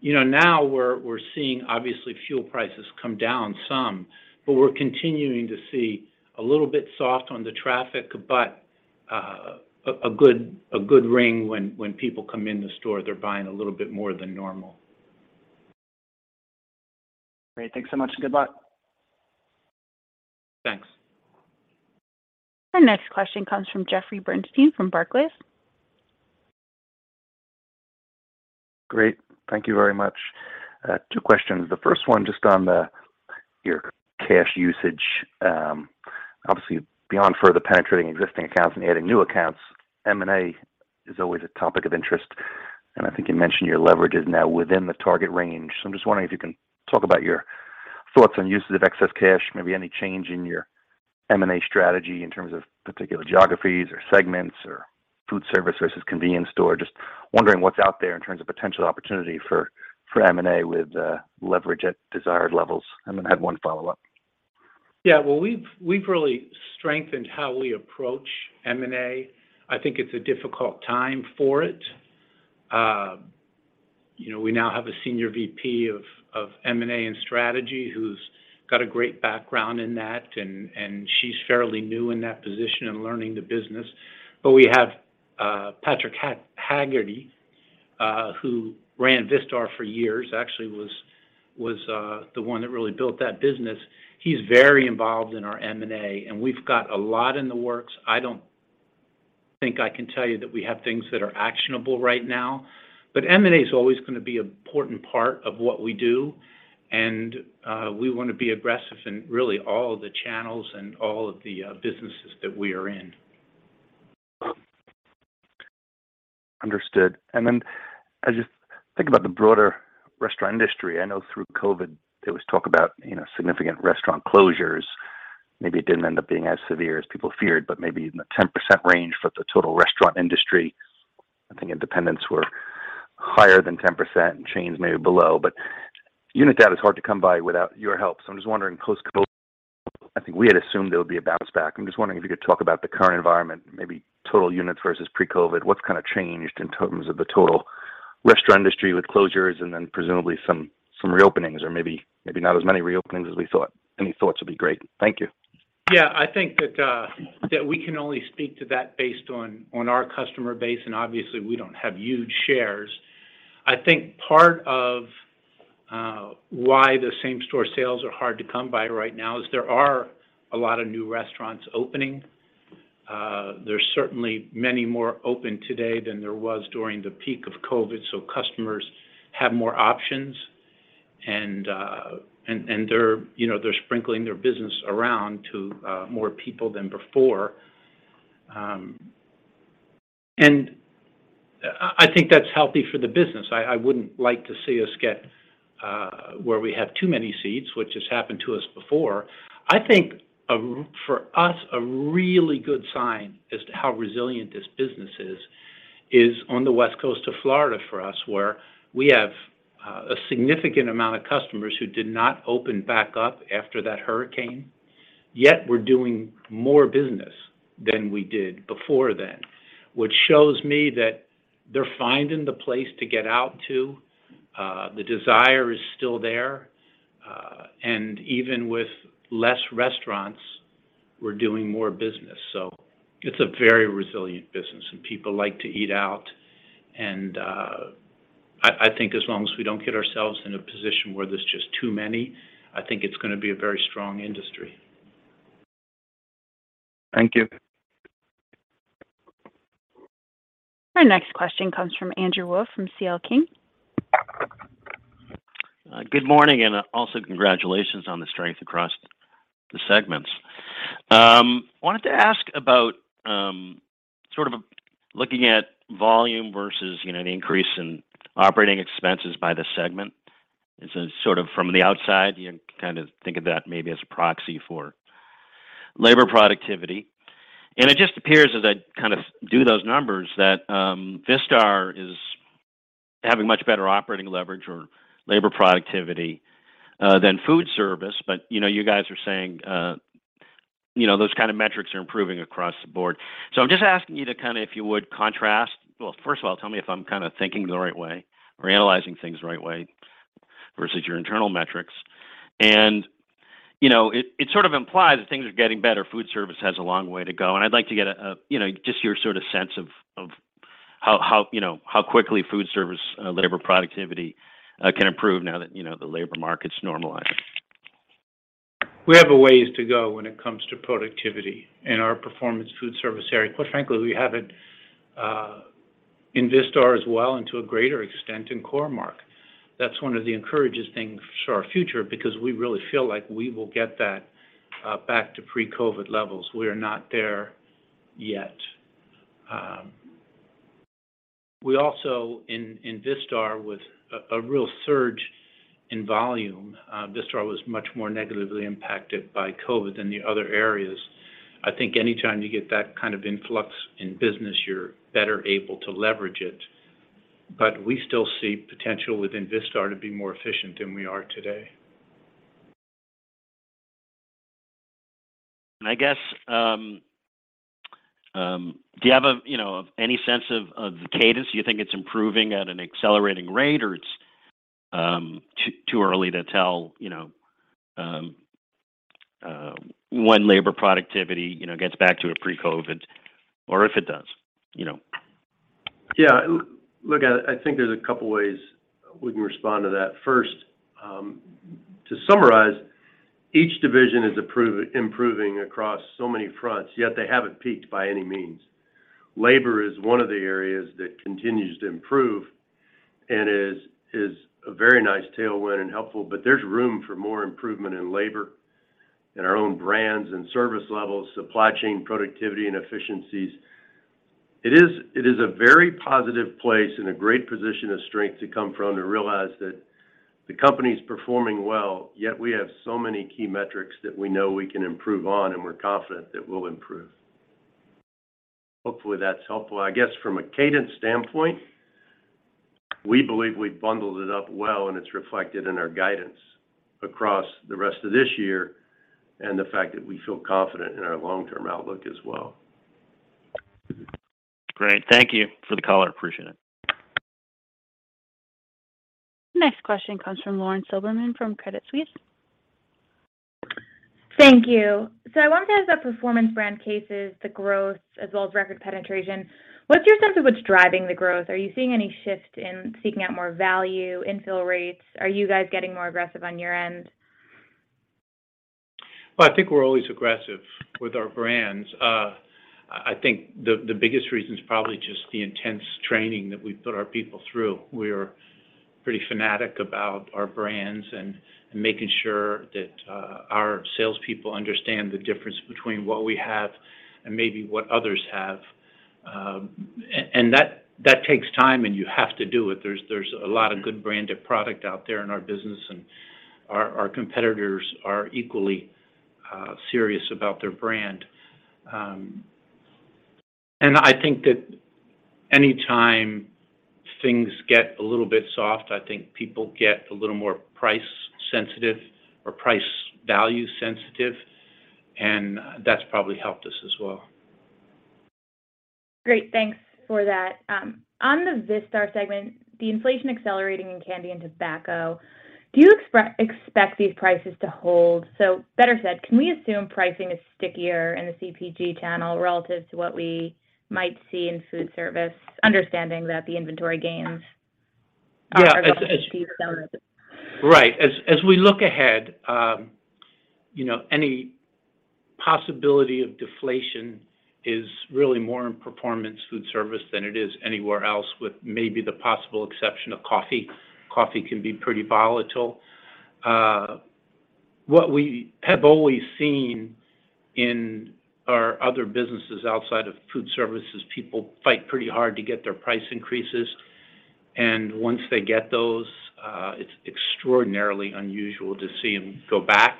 You know, now we're seeing obviously fuel prices come down some, but we're continuing to see a little bit soft on the traffic, but a good ring when people come in the store, they're buying a little bit more than normal. Great. Thanks so much, and good luck. Thanks. Our next question comes from Jeffrey Bernstein from Barclays. Great. Thank you very much. Two questions. The first one just on the, your cash usage. Obviously, beyond further penetrating existing accounts and adding new accounts, M&A is always a topic of interest. I think you mentioned your leverage is now within the target range. I'm just wondering if you can talk about your thoughts on uses of excess cash, maybe any change in your M&A strategy in terms of particular geographies or segments or food service versus convenience store. Just wondering what's out there in terms of potential opportunity for M&A with leverage at desired levels. Then I have one follow-up. Yeah. Well, we've really strengthened how we approach M&A. I think it's a difficult time for it. You know, we now have a Senior VP of M&A and Strategy who's got a great background in that, and she's fairly new in that position and learning the business. We have Patrick Hagerty, who ran Vistar for years, actually was the one that really built that business. He's very involved in our M&A, and we've got a lot in the works. I don't think I can tell you that we have things that are actionable right now. M&A is always gonna be important part of what we do, and we wanna be aggressive in really all the channels and all of the businesses that we are in. Understood. As you think about the broader restaurant industry, I know through COVID, there was talk about, you know, significant restaurant closures. Maybe it didn't end up being as severe as people feared, but maybe in the 10% range for the total restaurant industry. I think independents were higher than 10%, and chains maybe below. Unit data is hard to come by without your help. I'm just wondering post-COVID, I think we had assumed there would be a bounce back. I'm just wondering if you could talk about the current environment, maybe total units versus pre-COVID. What's kind of changed in terms of the total restaurant industry with closures and then presumably some reopenings or maybe not as many reopenings as we thought? Any thoughts would be great. Thank you. Yeah. I think that we can only speak to that based on our customer base, and obviously we don't have huge shares. I think part of why the same store sales are hard to come by right now is there are a lot of new restaurants opening. There's certainly many more open today than there was during the peak of COVID. Customers have more options and they're, you know, they're sprinkling their business around to more people than before. And I think that's healthy for the business. I wouldn't like to see us get where we have too many seats, which has happened to us before. I think for us, a really good sign as to how resilient this business is on the West Coast of Florida for us, where we have a significant amount of customers who did not open back up after that hurricane, yet we're doing more business than we did before then, which shows me that they're finding the place to get out to, the desire is still there, and even with less restaurants, we're doing more business. It's a very resilient business, and people like to eat out. I think as long as we don't get ourselves in a position where there's just too many, I think it's gonna be a very strong industry. Thank you. Our next question comes from Andrew Wolf from C.L. King. Good morning, also congratulations on the strength across the segments. Wanted to ask about sort of looking at volume versus, you know, an increase in operating expenses by the segment. Sort of from the outside, you kind of think of that maybe as a proxy for labor productivity. It just appears, as I kind of do those numbers, that Vistar is having much better operating leverage or labor productivity than Foodservice. You know, you guys are saying, you know, those kind of metrics are improving across the board. I'm just asking you to kind of, if you would, contrast. Well, first of all, tell me if I'm kind of thinking the right way or analyzing things the right way versus your internal metrics. You know, it sort of implies that things are getting better. Food Service has a long way to go, and I'd like to get a, you know, just your sort of sense of how, you know, how quickly Food Service labor productivity can improve now that, you know, the labor market's normalizing. We have a ways to go when it comes to productivity in our Performance Foodservice area. Quite frankly, we have it in Vistar as well, and to a greater extent in Core-Mark. That's one of the encouraging things for our future because we really feel like we will get that back to pre-COVID levels. We are not there yet. We, also in Vistar, with a real surge in volume, Vistar was much more negatively impacted by COVID than the other areas. I think any time you get that kind of influx in business, you're better able to leverage it. We still see potential within Vistar to be more efficient than we are today. I guess, do you have a, you know, any sense of the cadence? Do you think it's improving at an accelerating rate or it's too early to tell, you know, when labor productivity, you know, gets back to a pre-COVID or if it does, you know? Yeah. Look, I think there's a couple ways we can respond to that. First, to summarize, each division is improving across so many fronts, yet they haven't peaked by any means. Labor is one of the areas that continues to improve and is a very nice tailwind and helpful, but there's room for more improvement in labor in our own brands and service levels, supply chain productivity and efficiencies. It is a very positive place and a great position of strength to come from to realize that the company's performing well, yet we have so many key metrics that we know we can improve on and we're confident that we'll improve. Hopefully that's helpful. I guess from a cadence standpoint, we believe we've bundled it up well and it's reflected in our guidance across the rest of this year and the fact that we feel confident in our long-term outlook as well. Great. Thank you for the color. Appreciate it. Next question comes from Lauren Silberman from Credit Suisse. Thank you. I wanted to ask about Performance brands cases, the growth as well as record penetration. What's your sense of what's driving the growth? Are you seeing any shift in seeking out more value, infill rates? Are you guys getting more aggressive on your end? Well, I think we're always aggressive with our brands. I think the biggest reason is probably just the intense training that we put our people through. We're pretty fanatic about our brands and making sure that our salespeople understand the difference between what we have and maybe what others have. That takes time, and you have to do it. There's a lot of good branded product out there in our business, and our competitors are equally serious about their brand. I think that any time things get a little bit soft, I think people get a little more price sensitive or price value sensitive, and that's probably helped us as well. Great. Thanks for that. On the Vistar segment, the inflation accelerating in candy and tobacco, do you expect these prices to hold? Better said, can we assume pricing is stickier in the CPG channel relative to what we might see in Foodservice, understanding that the inventory gains are- Yeah.... Right. As we look ahead, you know, any possibility of deflation is really more in Performance Foodservice than it is anywhere else, with maybe the possible exception of coffee. Coffee can be pretty volatile. What we have always seen in our other businesses outside of food service is people fight pretty hard to get their price increases. Once they get those, it's extraordinarily unusual to see them go back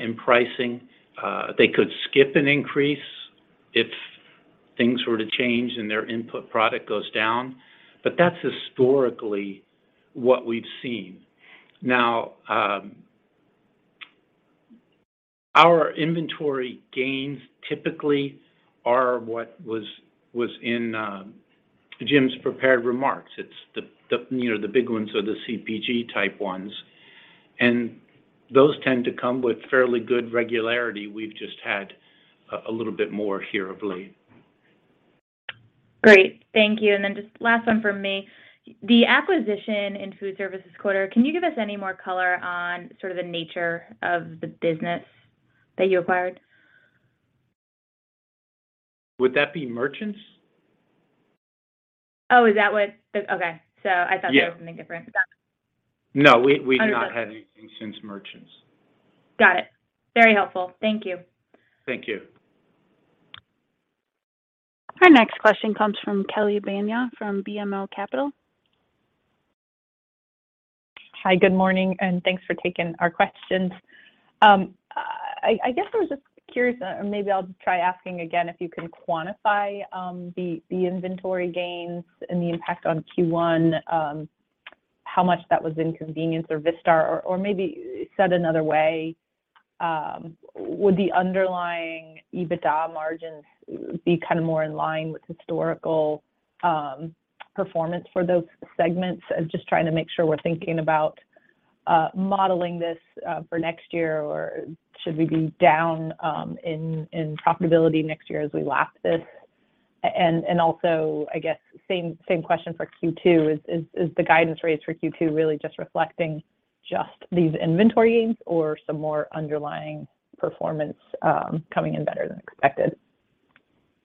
in pricing. They could skip an increase if things were to change and their input product goes down, but that's historically what we've seen. Now, our inventory gains typically are what was in Jim's prepared remarks. It's the big ones are the CPG type ones, and those tend to come with fairly good regularity. We've just had a little bit more here of late. Great. Thank you. Just last one from me. The acquisition in Foodservice quarter, can you give us any more color on sort of the nature of the business that you acquired? Would that be Merchants? Oh, is that what? Okay. I thought- Yeah.... that was something different. No, we've- Understood.... not had anything since Merchants. Got it. Very helpful. Thank you. Thank you. Our next question comes from Kelly Bania from BMO Capital. Hi, good morning, and thanks for taking our questions. I guess I was just curious, or maybe I'll try asking again if you can quantify the inventory gains and the impact on Q1, how much that was in convenience or Vistar? Or maybe said another way, would the underlying EBITDA margins be kind of more in line with historical performance for those segments? Just trying to make sure we're thinking about modeling this for next year. Or should we be down in profitability next year as we lap this? Also, I guess same question for Q2. Is the guidance raised for Q2 really just reflecting just these inventory gains or some more underlying performance coming in better than expected?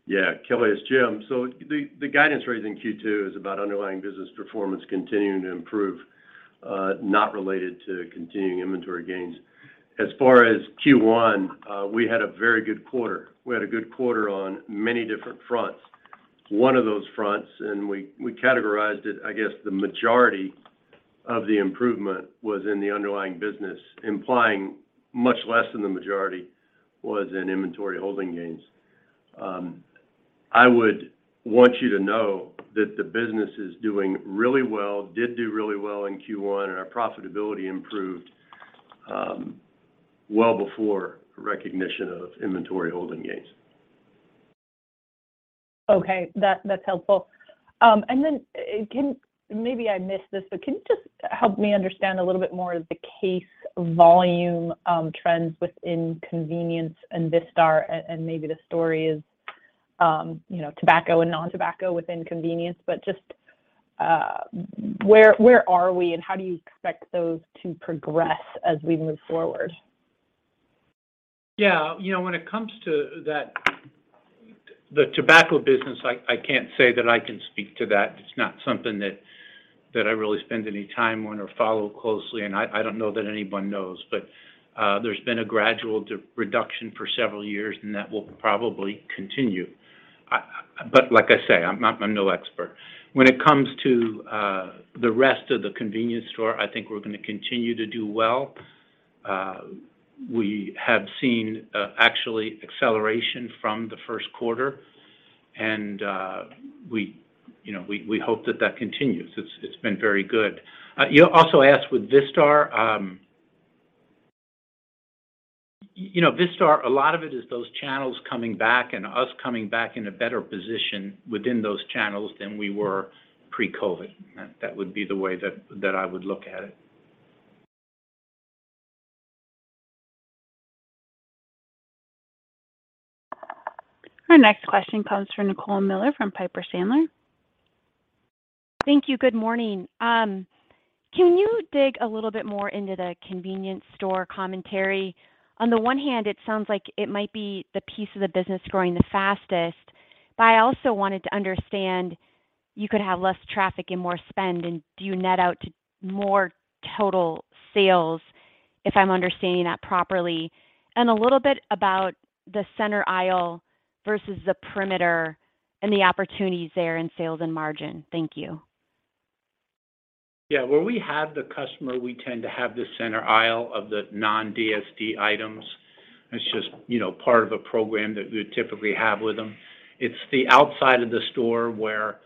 Yeah. Kelly, it's Jim. The guidance raised in Q2 is about underlying business performance continuing to improve, not related to continuing inventory gains. As far as Q1, we had a very good quarter. We had a good quarter on many different fronts. One of those fronts, and we categorized it, I guess the majority of the improvement was in the underlying business, implying much less than the majority was in inventory holding gains. I would want you to know that the business is doing really well, did do really well in Q1, and our profitability improved, well before recognition of inventory holding gains. Okay. That's helpful. Maybe I missed this, but can you just help me understand a little bit more of the case volume trends within convenience and Vistar, and maybe the story of, you know, tobacco and non-tobacco within convenience? Just where are we, and how do you expect those to progress as we move forward? You know, when it comes to that, the tobacco business, I can't say that I can speak to that. It's not something that I really spend any time on or follow closely, and I don't know that anyone knows. There's been a gradual reduction for several years, and that will probably continue. Like I say, I'm no expert. When it comes to the rest of the convenience store, I think we're gonna continue to do well. We have seen actually acceleration from the first quarter, and we, you know, hope that that continues. It's been very good. You also asked about Vistar. You know, Vistar, a lot of it is those channels coming back and us coming back in a better position within those channels than we were pre-COVID. That would be the way that I would look at it. Our next question comes from Nicole Miller from Piper Sandler. Thank you. Good morning. Can you dig a little bit more into the convenience store commentary? On the one hand, it sounds like it might be the piece of the business growing the fastest. I also wanted to understand, you could have less traffic and more spend, and do you net out to more total sales, if I'm understanding that properly? A little bit about the center aisle versus the perimeter and the opportunities there in sales and margin. Thank you. Yeah. Where we have the customer, we tend to have the center aisle of the non-DSD items. It's just, you know, part of a program that we would typically have with them. It's the outside of the store where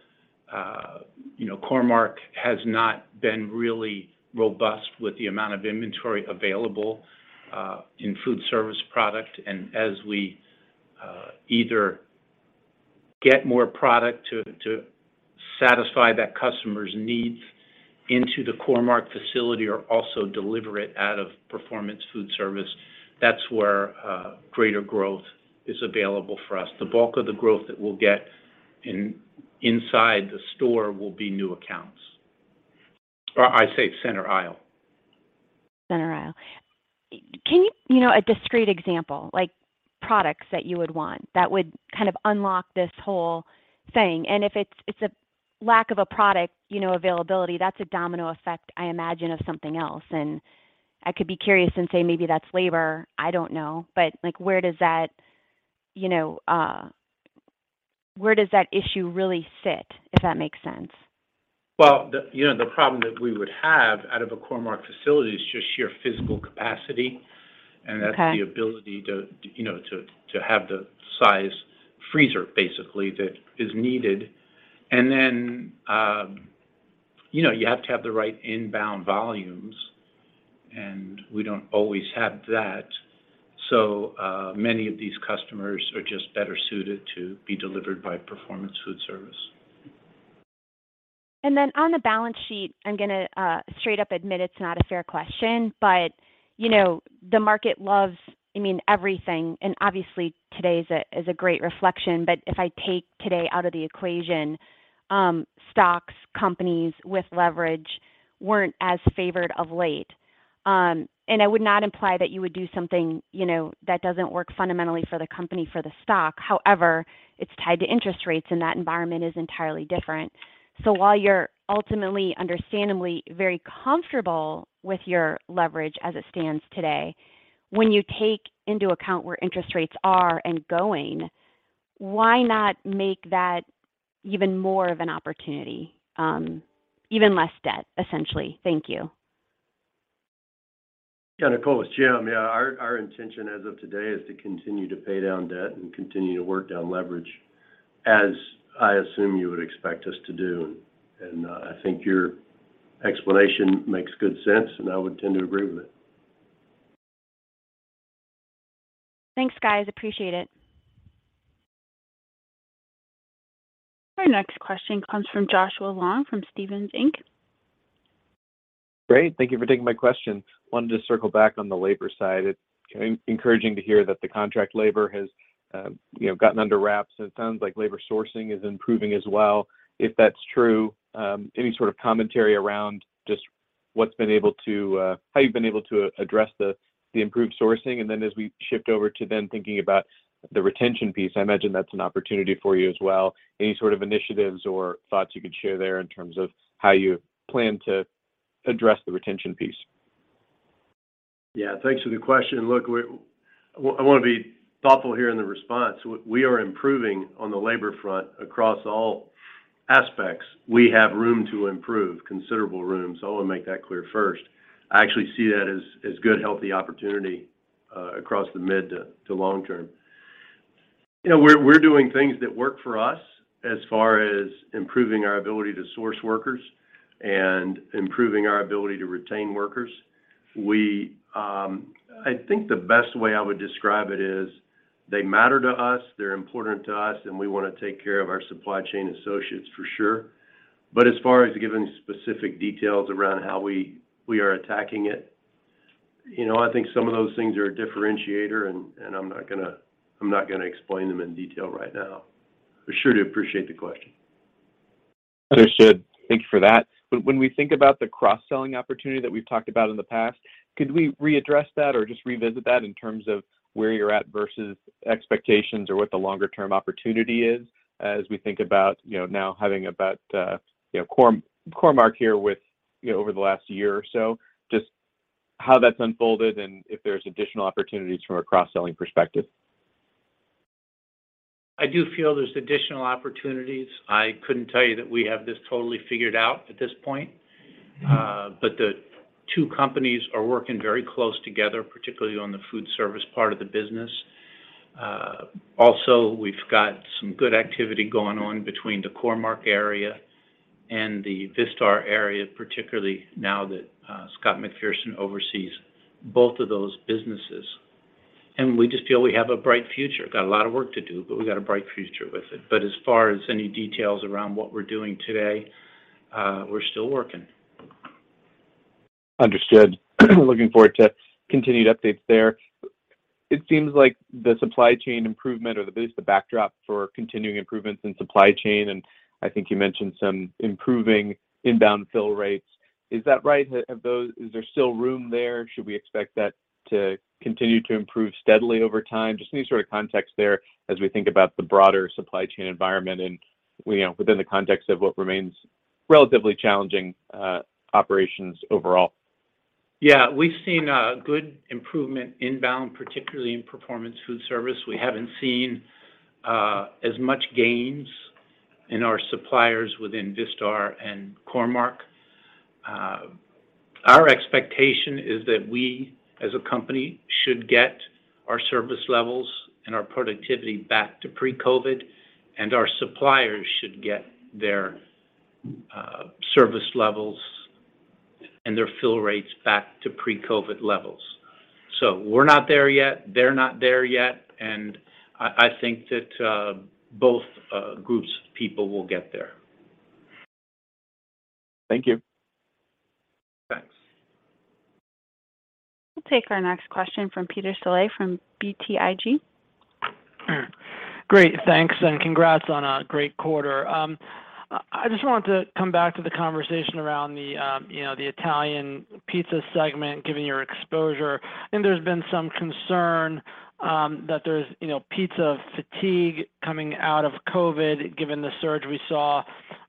Core-Mark has not been really robust with the amount of inventory available in Foodservice product. As we either get more product to satisfy that customer's needs into the Core-Mark facility or also deliver it out of Performance Foodservice, that's where greater growth is available for us. The bulk of the growth that we'll get in the store will be new accounts. I'd say center aisle. Center aisle. You know, a discrete example, like products that you would want that would kind of unlock this whole thing. If it's a lack of a product, you know, availability, that's a domino effect, I imagine, of something else. I could be curious and say maybe that's labor, I don't know. Like, where does that, you know, where does that issue really sit, if that makes sense? Well, you know, the problem that we would have out of a Core-Mark facility is just sheer physical capacity. Okay. That's the ability to, you know, have the size freezer basically that is needed. You know, you have to have the right inbound volumes, and we don't always have that. Many of these customers are just better suited to be delivered by Performance Foodservice. Then on the balance sheet, I'm gonna straight up admit it's not a fair question, but, you know, the market loves, I mean, everything. Obviously, today is a great reflection. If I take today out of the equation, stocks, companies with leverage weren't as favored of late. I would not imply that you would do something, you know, that doesn't work fundamentally for the company, for the stock. However, it's tied to interest rates, and that environment is entirely different. While you're ultimately understandably very comfortable with your leverage as it stands today, when you take into account where interest rates are and going. Why not make that even more of an opportunity? Even less debt, essentially. Thank you. Yeah, Nicole, yeah, I mean, our intention as of today is to continue to pay down debt and continue to work down leverage, as I assume you would expect us to do. I think your explanation makes good sense, and I would tend to agree with it. Thanks, guys. Appreciate it. Our next question comes from Joshua Long from Stephens Inc. Great. Thank you for taking my question. Wanted to circle back on the labor side. It's encouraging to hear that the contract labor has gotten under wraps, and it sounds like labor sourcing is improving as well. If that's true, any sort of commentary around just how you've been able to address the improved sourcing? Then, as we shift over to then thinking about the retention piece, I imagine that's an opportunity for you as well. Any sort of initiatives or thoughts you could share there in terms of how you plan to address the retention piece? Yeah. Thanks for the question. Look, I wanna be thoughtful here in the response. We are improving on the labor front across all aspects. We have room to improve, considerable room, so I wanna make that clear first. I actually see that as a good, healthy opportunity across the mid to long term. You know, we're doing things that work for us as far as improving our ability to source workers and improving our ability to retain workers. I think the best way I would describe it is they matter to us, they're important to us, and we wanna take care of our supply chain associates for sure. As far as giving specific details around how we are attacking it, you know, I think some of those things are a differentiator, and I'm not gonna explain them in detail right now. Sure do appreciate the question. Understood. Thank you for that. When we think about the cross-selling opportunity that we've talked about in the past, could we readdress that or just revisit that in terms of where you're at versus expectations, or what the longer term opportunity is as we think about, you know, now having about, you know, Core-Mark here with, you know, over the last year or so, just how that's unfolded, and if there's additional opportunities from a cross-selling perspective? I do feel there's additional opportunities. I couldn't tell you that we have this totally figured out at this point. The two companies are working very close together, particularly on the Foodservice part of the business. Also, we've got some good activity going on between the Core-Mark area and the Vistar area, particularly now that Scott McPherson oversees both of those businesses. We just feel we have a bright future. Got a lot of work to do, but we got a bright future with it. As far as any details around what we're doing today, we're still working. Understood. Looking forward to continued updates there. It seems like the supply chain improvement, or at least the backdrop for continuing improvements in supply chain, and I think you mentioned some improving inbound fill rates. Is that right? Is there still room there? Should we expect that to continue to improve steadily over time? Just any sort of context there as we think about the broader supply chain environment and, you know, within the context of what remains relatively challenging operations overall. Yeah. We've seen good improvement inbound, particularly in Performance Foodservice. We haven't seen as much gains in our suppliers within Vistar and Core-Mark. Our expectation is that we as a company should get our service levels and our productivity back to pre-COVID, and our suppliers should get their service levels and their fill rates back to pre-COVID levels. We're not there yet, they're not there yet, and I think that both groups of people will get there. Thank you. Thanks. We'll take our next question from Peter Saleh from BTIG. Great. Thanks, and congrats on a great quarter. I just wanted to come back to the conversation around the, you know, the Italian pizza segment, given your exposure. I think there's been some concern that there's, you know, pizza fatigue coming out of COVID, given the surge we saw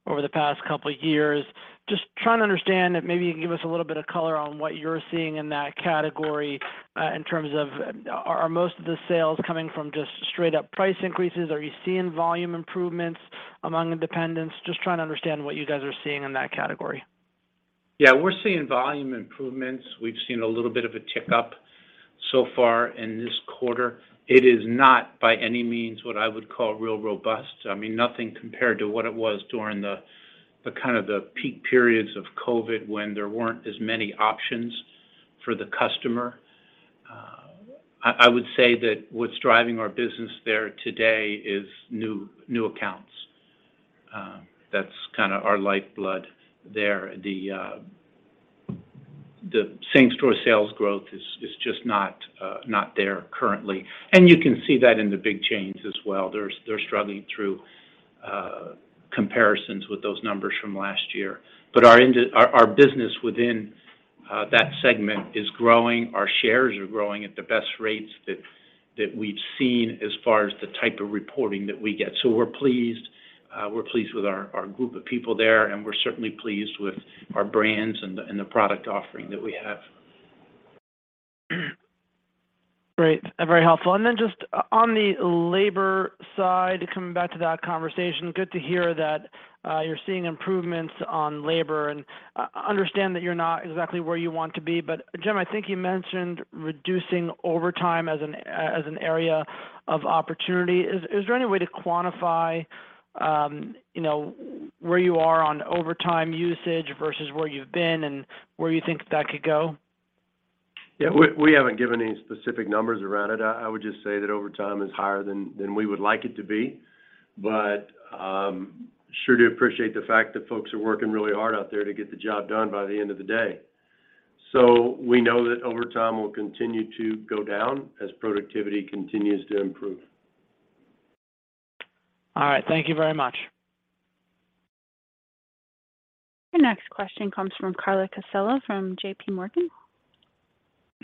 over the past couple years. Just trying to understand if maybe you can give us a little bit of color on what you're seeing in that category, in terms of, are most of the sales coming from just straight up price increases? Are you seeing volume improvements among independents? Just trying to understand what you guys are seeing in that category. Yeah. We're seeing volume improvements. We've seen a little bit of a tick up so far in this quarter. It is not by any means what I would call real robust. I mean, nothing compared to what it was during the kind of peak periods of COVID when there weren't as many options for the customer. I would say that what's driving our business there today is new accounts. That's kinda our lifeblood there. The same-store sales growth is just not there currently. You can see that in the big chains as well. They're struggling through comparisons with those numbers from last year. But our business within that segment is growing. Our shares are growing at the best rates that we've seen as far as the type of reporting that we get. We're pleased. We're pleased with our group of people there, and we're certainly pleased with our brands and the product offering that we have. Great. Very helpful. Just on the labor side, coming back to that conversation, good to hear that, you're seeing improvements on labor and understand that you're not exactly where you want to be. Jim, I think you mentioned reducing overtime as an area of opportunity. Is there any way to quantify, you know, where you are on overtime usage versus where you've been and where you think that could go? Yeah. We haven't given any specific numbers around it. I would just say that overtime is higher than we would like it to be. Sure do appreciate the fact that folks are working really hard out there to get the job done by the end of the day. We know that overtime will continue to go down as productivity continues to improve. All right. Thank you very much. The next question comes from Carla Casella from JP Morgan.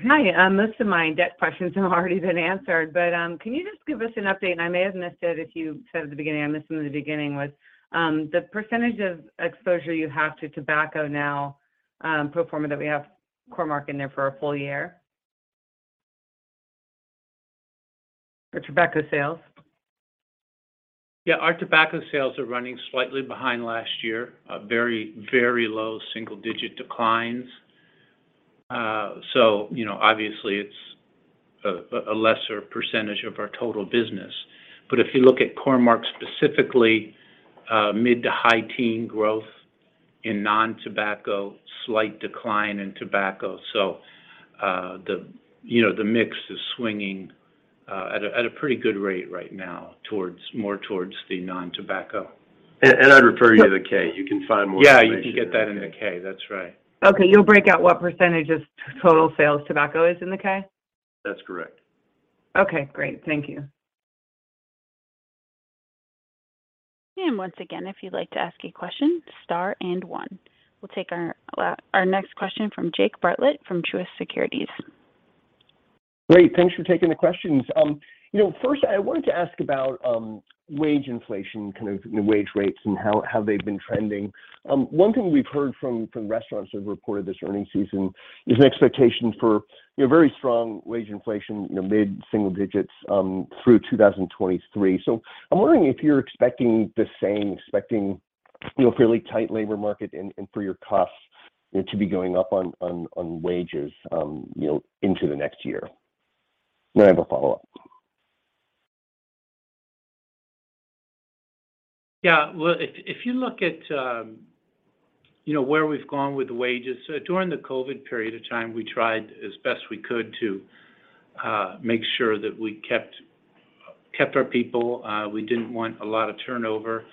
Hi. Most of my debt questions have already been answered. Can you just give us an update, and I may have missed it if you said it at the beginning, what is the percentage of exposure you have to tobacco now, pro forma, that we have Core-Mark in there for a full year? The tobacco sales. Yeah. Our tobacco sales are running slightly behind last year, a very low single-digit decline. You know, obviously it's a lesser percentage of our total business. If you look at Core-Mark specifically, mid- to high-teens growth in non-tobacco, slight decline in tobacco. You know, the mix is swinging at a pretty good rate right now towards more non-tobacco. I'd refer you to the K. You can find more information in the K. Yeah, you can get that in the K. That's right. Okay. You'll break out what percentage of total sales tobacco is in the K? That's correct. Okay, great. Thank you. Once again, if you'd like to ask a question, star and one. We'll take our next question from Jake Bartlett from Truist Securities. Great. Thanks for taking the questions. You know, first I wanted to ask about wage inflation, kind of the wage rates and how they've been trending. One thing we've heard from restaurants that have reported this earnings season is an expectation for, you know, very strong wage inflation, you know, mid-single digits through 2023. So I'm wondering if you're expecting the same, you know, fairly tight labor market and for your costs, you know, to be going up on wages, you know, into the next year. I have a follow-up. Yeah. Well, if you look at, you know, where we've gone with wages, during the COVID period of time, we tried as best we could to make sure that we kept our people. We didn't want a lot of turnover.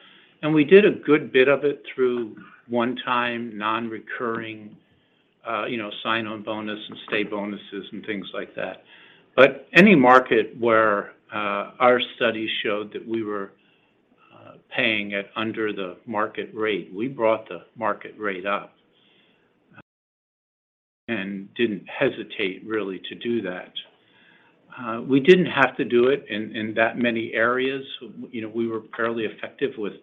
We did a good bit of it through one-time non-recurring, you know, sign-on bonus and stay bonuses and things like that. But any market where our studies showed that we were paying at under the market rate, we brought the market rate up and didn't hesitate really to do that. We didn't have to do it in that many areas. You know, we were fairly effective with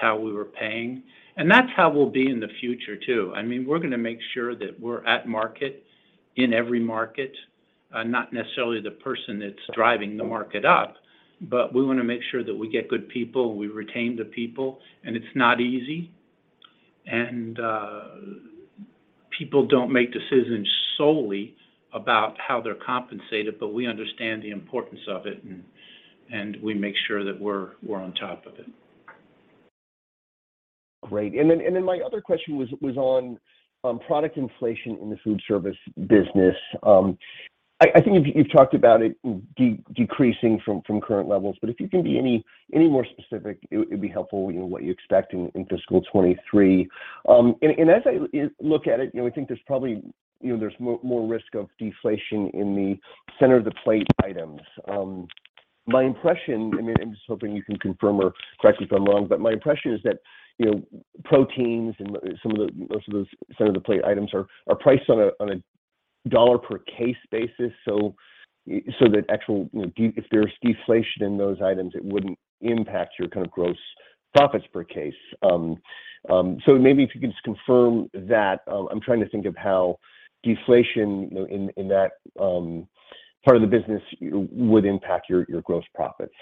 how we were paying. That's how we'll be in the future too. I mean, we're gonna make sure that we're at market in every market. Not necessarily the person that's driving the market up, but we wanna make sure that we get good people, and we retain the people, and it's not easy. People don't make decisions solely about how they're compensated, but we understand the importance of it and we make sure that we're on top of it. Great. Then my other question was on product inflation in the Foodservice business. I think you've talked about it decreasing from current levels. If you can be any more specific, it'd be helpful, you know, what you expect in fiscal 2023. As I look at it, you know, I think there's probably more risk of deflation in the center of the plate items. My impression, I mean, I'm just hoping you can confirm or correct me if I'm wrong. My impression is that, you know, proteins and some of the most center of the plate items are priced on a dollar per case basis. That actually, you know, if there's deflation in those items, it wouldn't impact your kind of gross profits per case. Maybe if you could just confirm that. I'm trying to think of how deflation, you know, in that part of the business would impact your gross profits.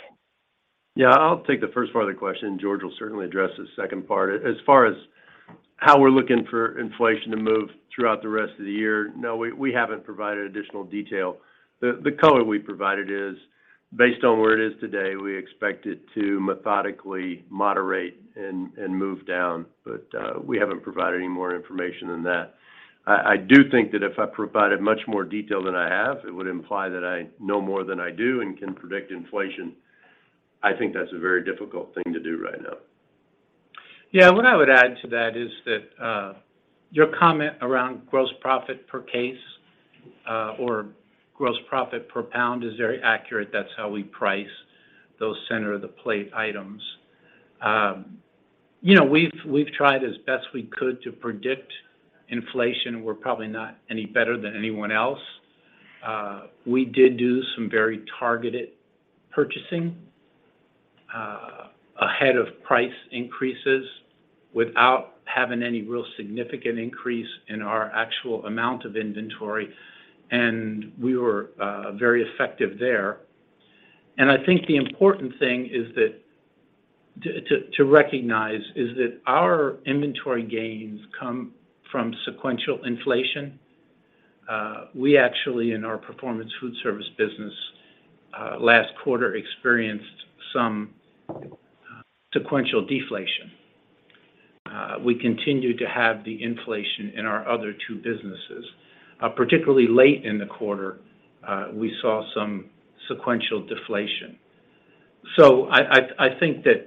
Yeah. I'll take the first part of the question, and George will certainly address the second part. As far as how we're looking for inflation to move throughout the rest of the year, no, we haven't provided additional detail. The color we provided is based on where it is today. We expect it to methodically moderate and move down. But we haven't provided any more information than that. I do think that if I provided much more detail than I have, it would imply that I know more than I do and can predict inflation. I think that's a very difficult thing to do right now. Yeah. What I would add to that is that, your comment around gross profit per case, or gross profit per pound is very accurate. That's how we price those center of the plate items. You know, we've tried as best we could to predict inflation. We're probably not any better than anyone else. We did do some very targeted purchasing, ahead of price increases without having any real significant increase in our actual amount of inventory, and we were very effective there. I think the important thing is that to recognize is that our inventory gains come from sequential inflation. We actually in our Performance Foodservice business, last quarter experienced some sequential deflation. We continued to have the inflation in our other two businesses. Particularly late in the quarter, we saw some sequential deflation. I think that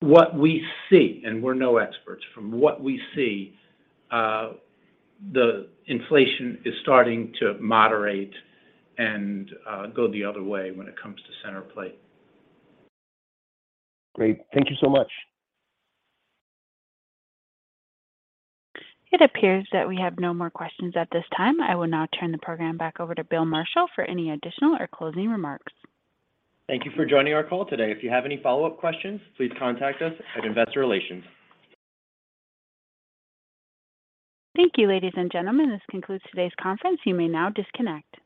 what we see, and we're no experts, from what we see, the inflation is starting to moderate and go the other way when it comes to center plate. Great. Thank you so much. It appears that we have no more questions at this time. I will now turn the program back over to Bill Marshall for any additional or closing remarks. Thank you for joining our call today. If you have any follow-up questions, please contact us at Investor Relations. Thank you, ladies and gentlemen. This concludes today's conference. You may now disconnect.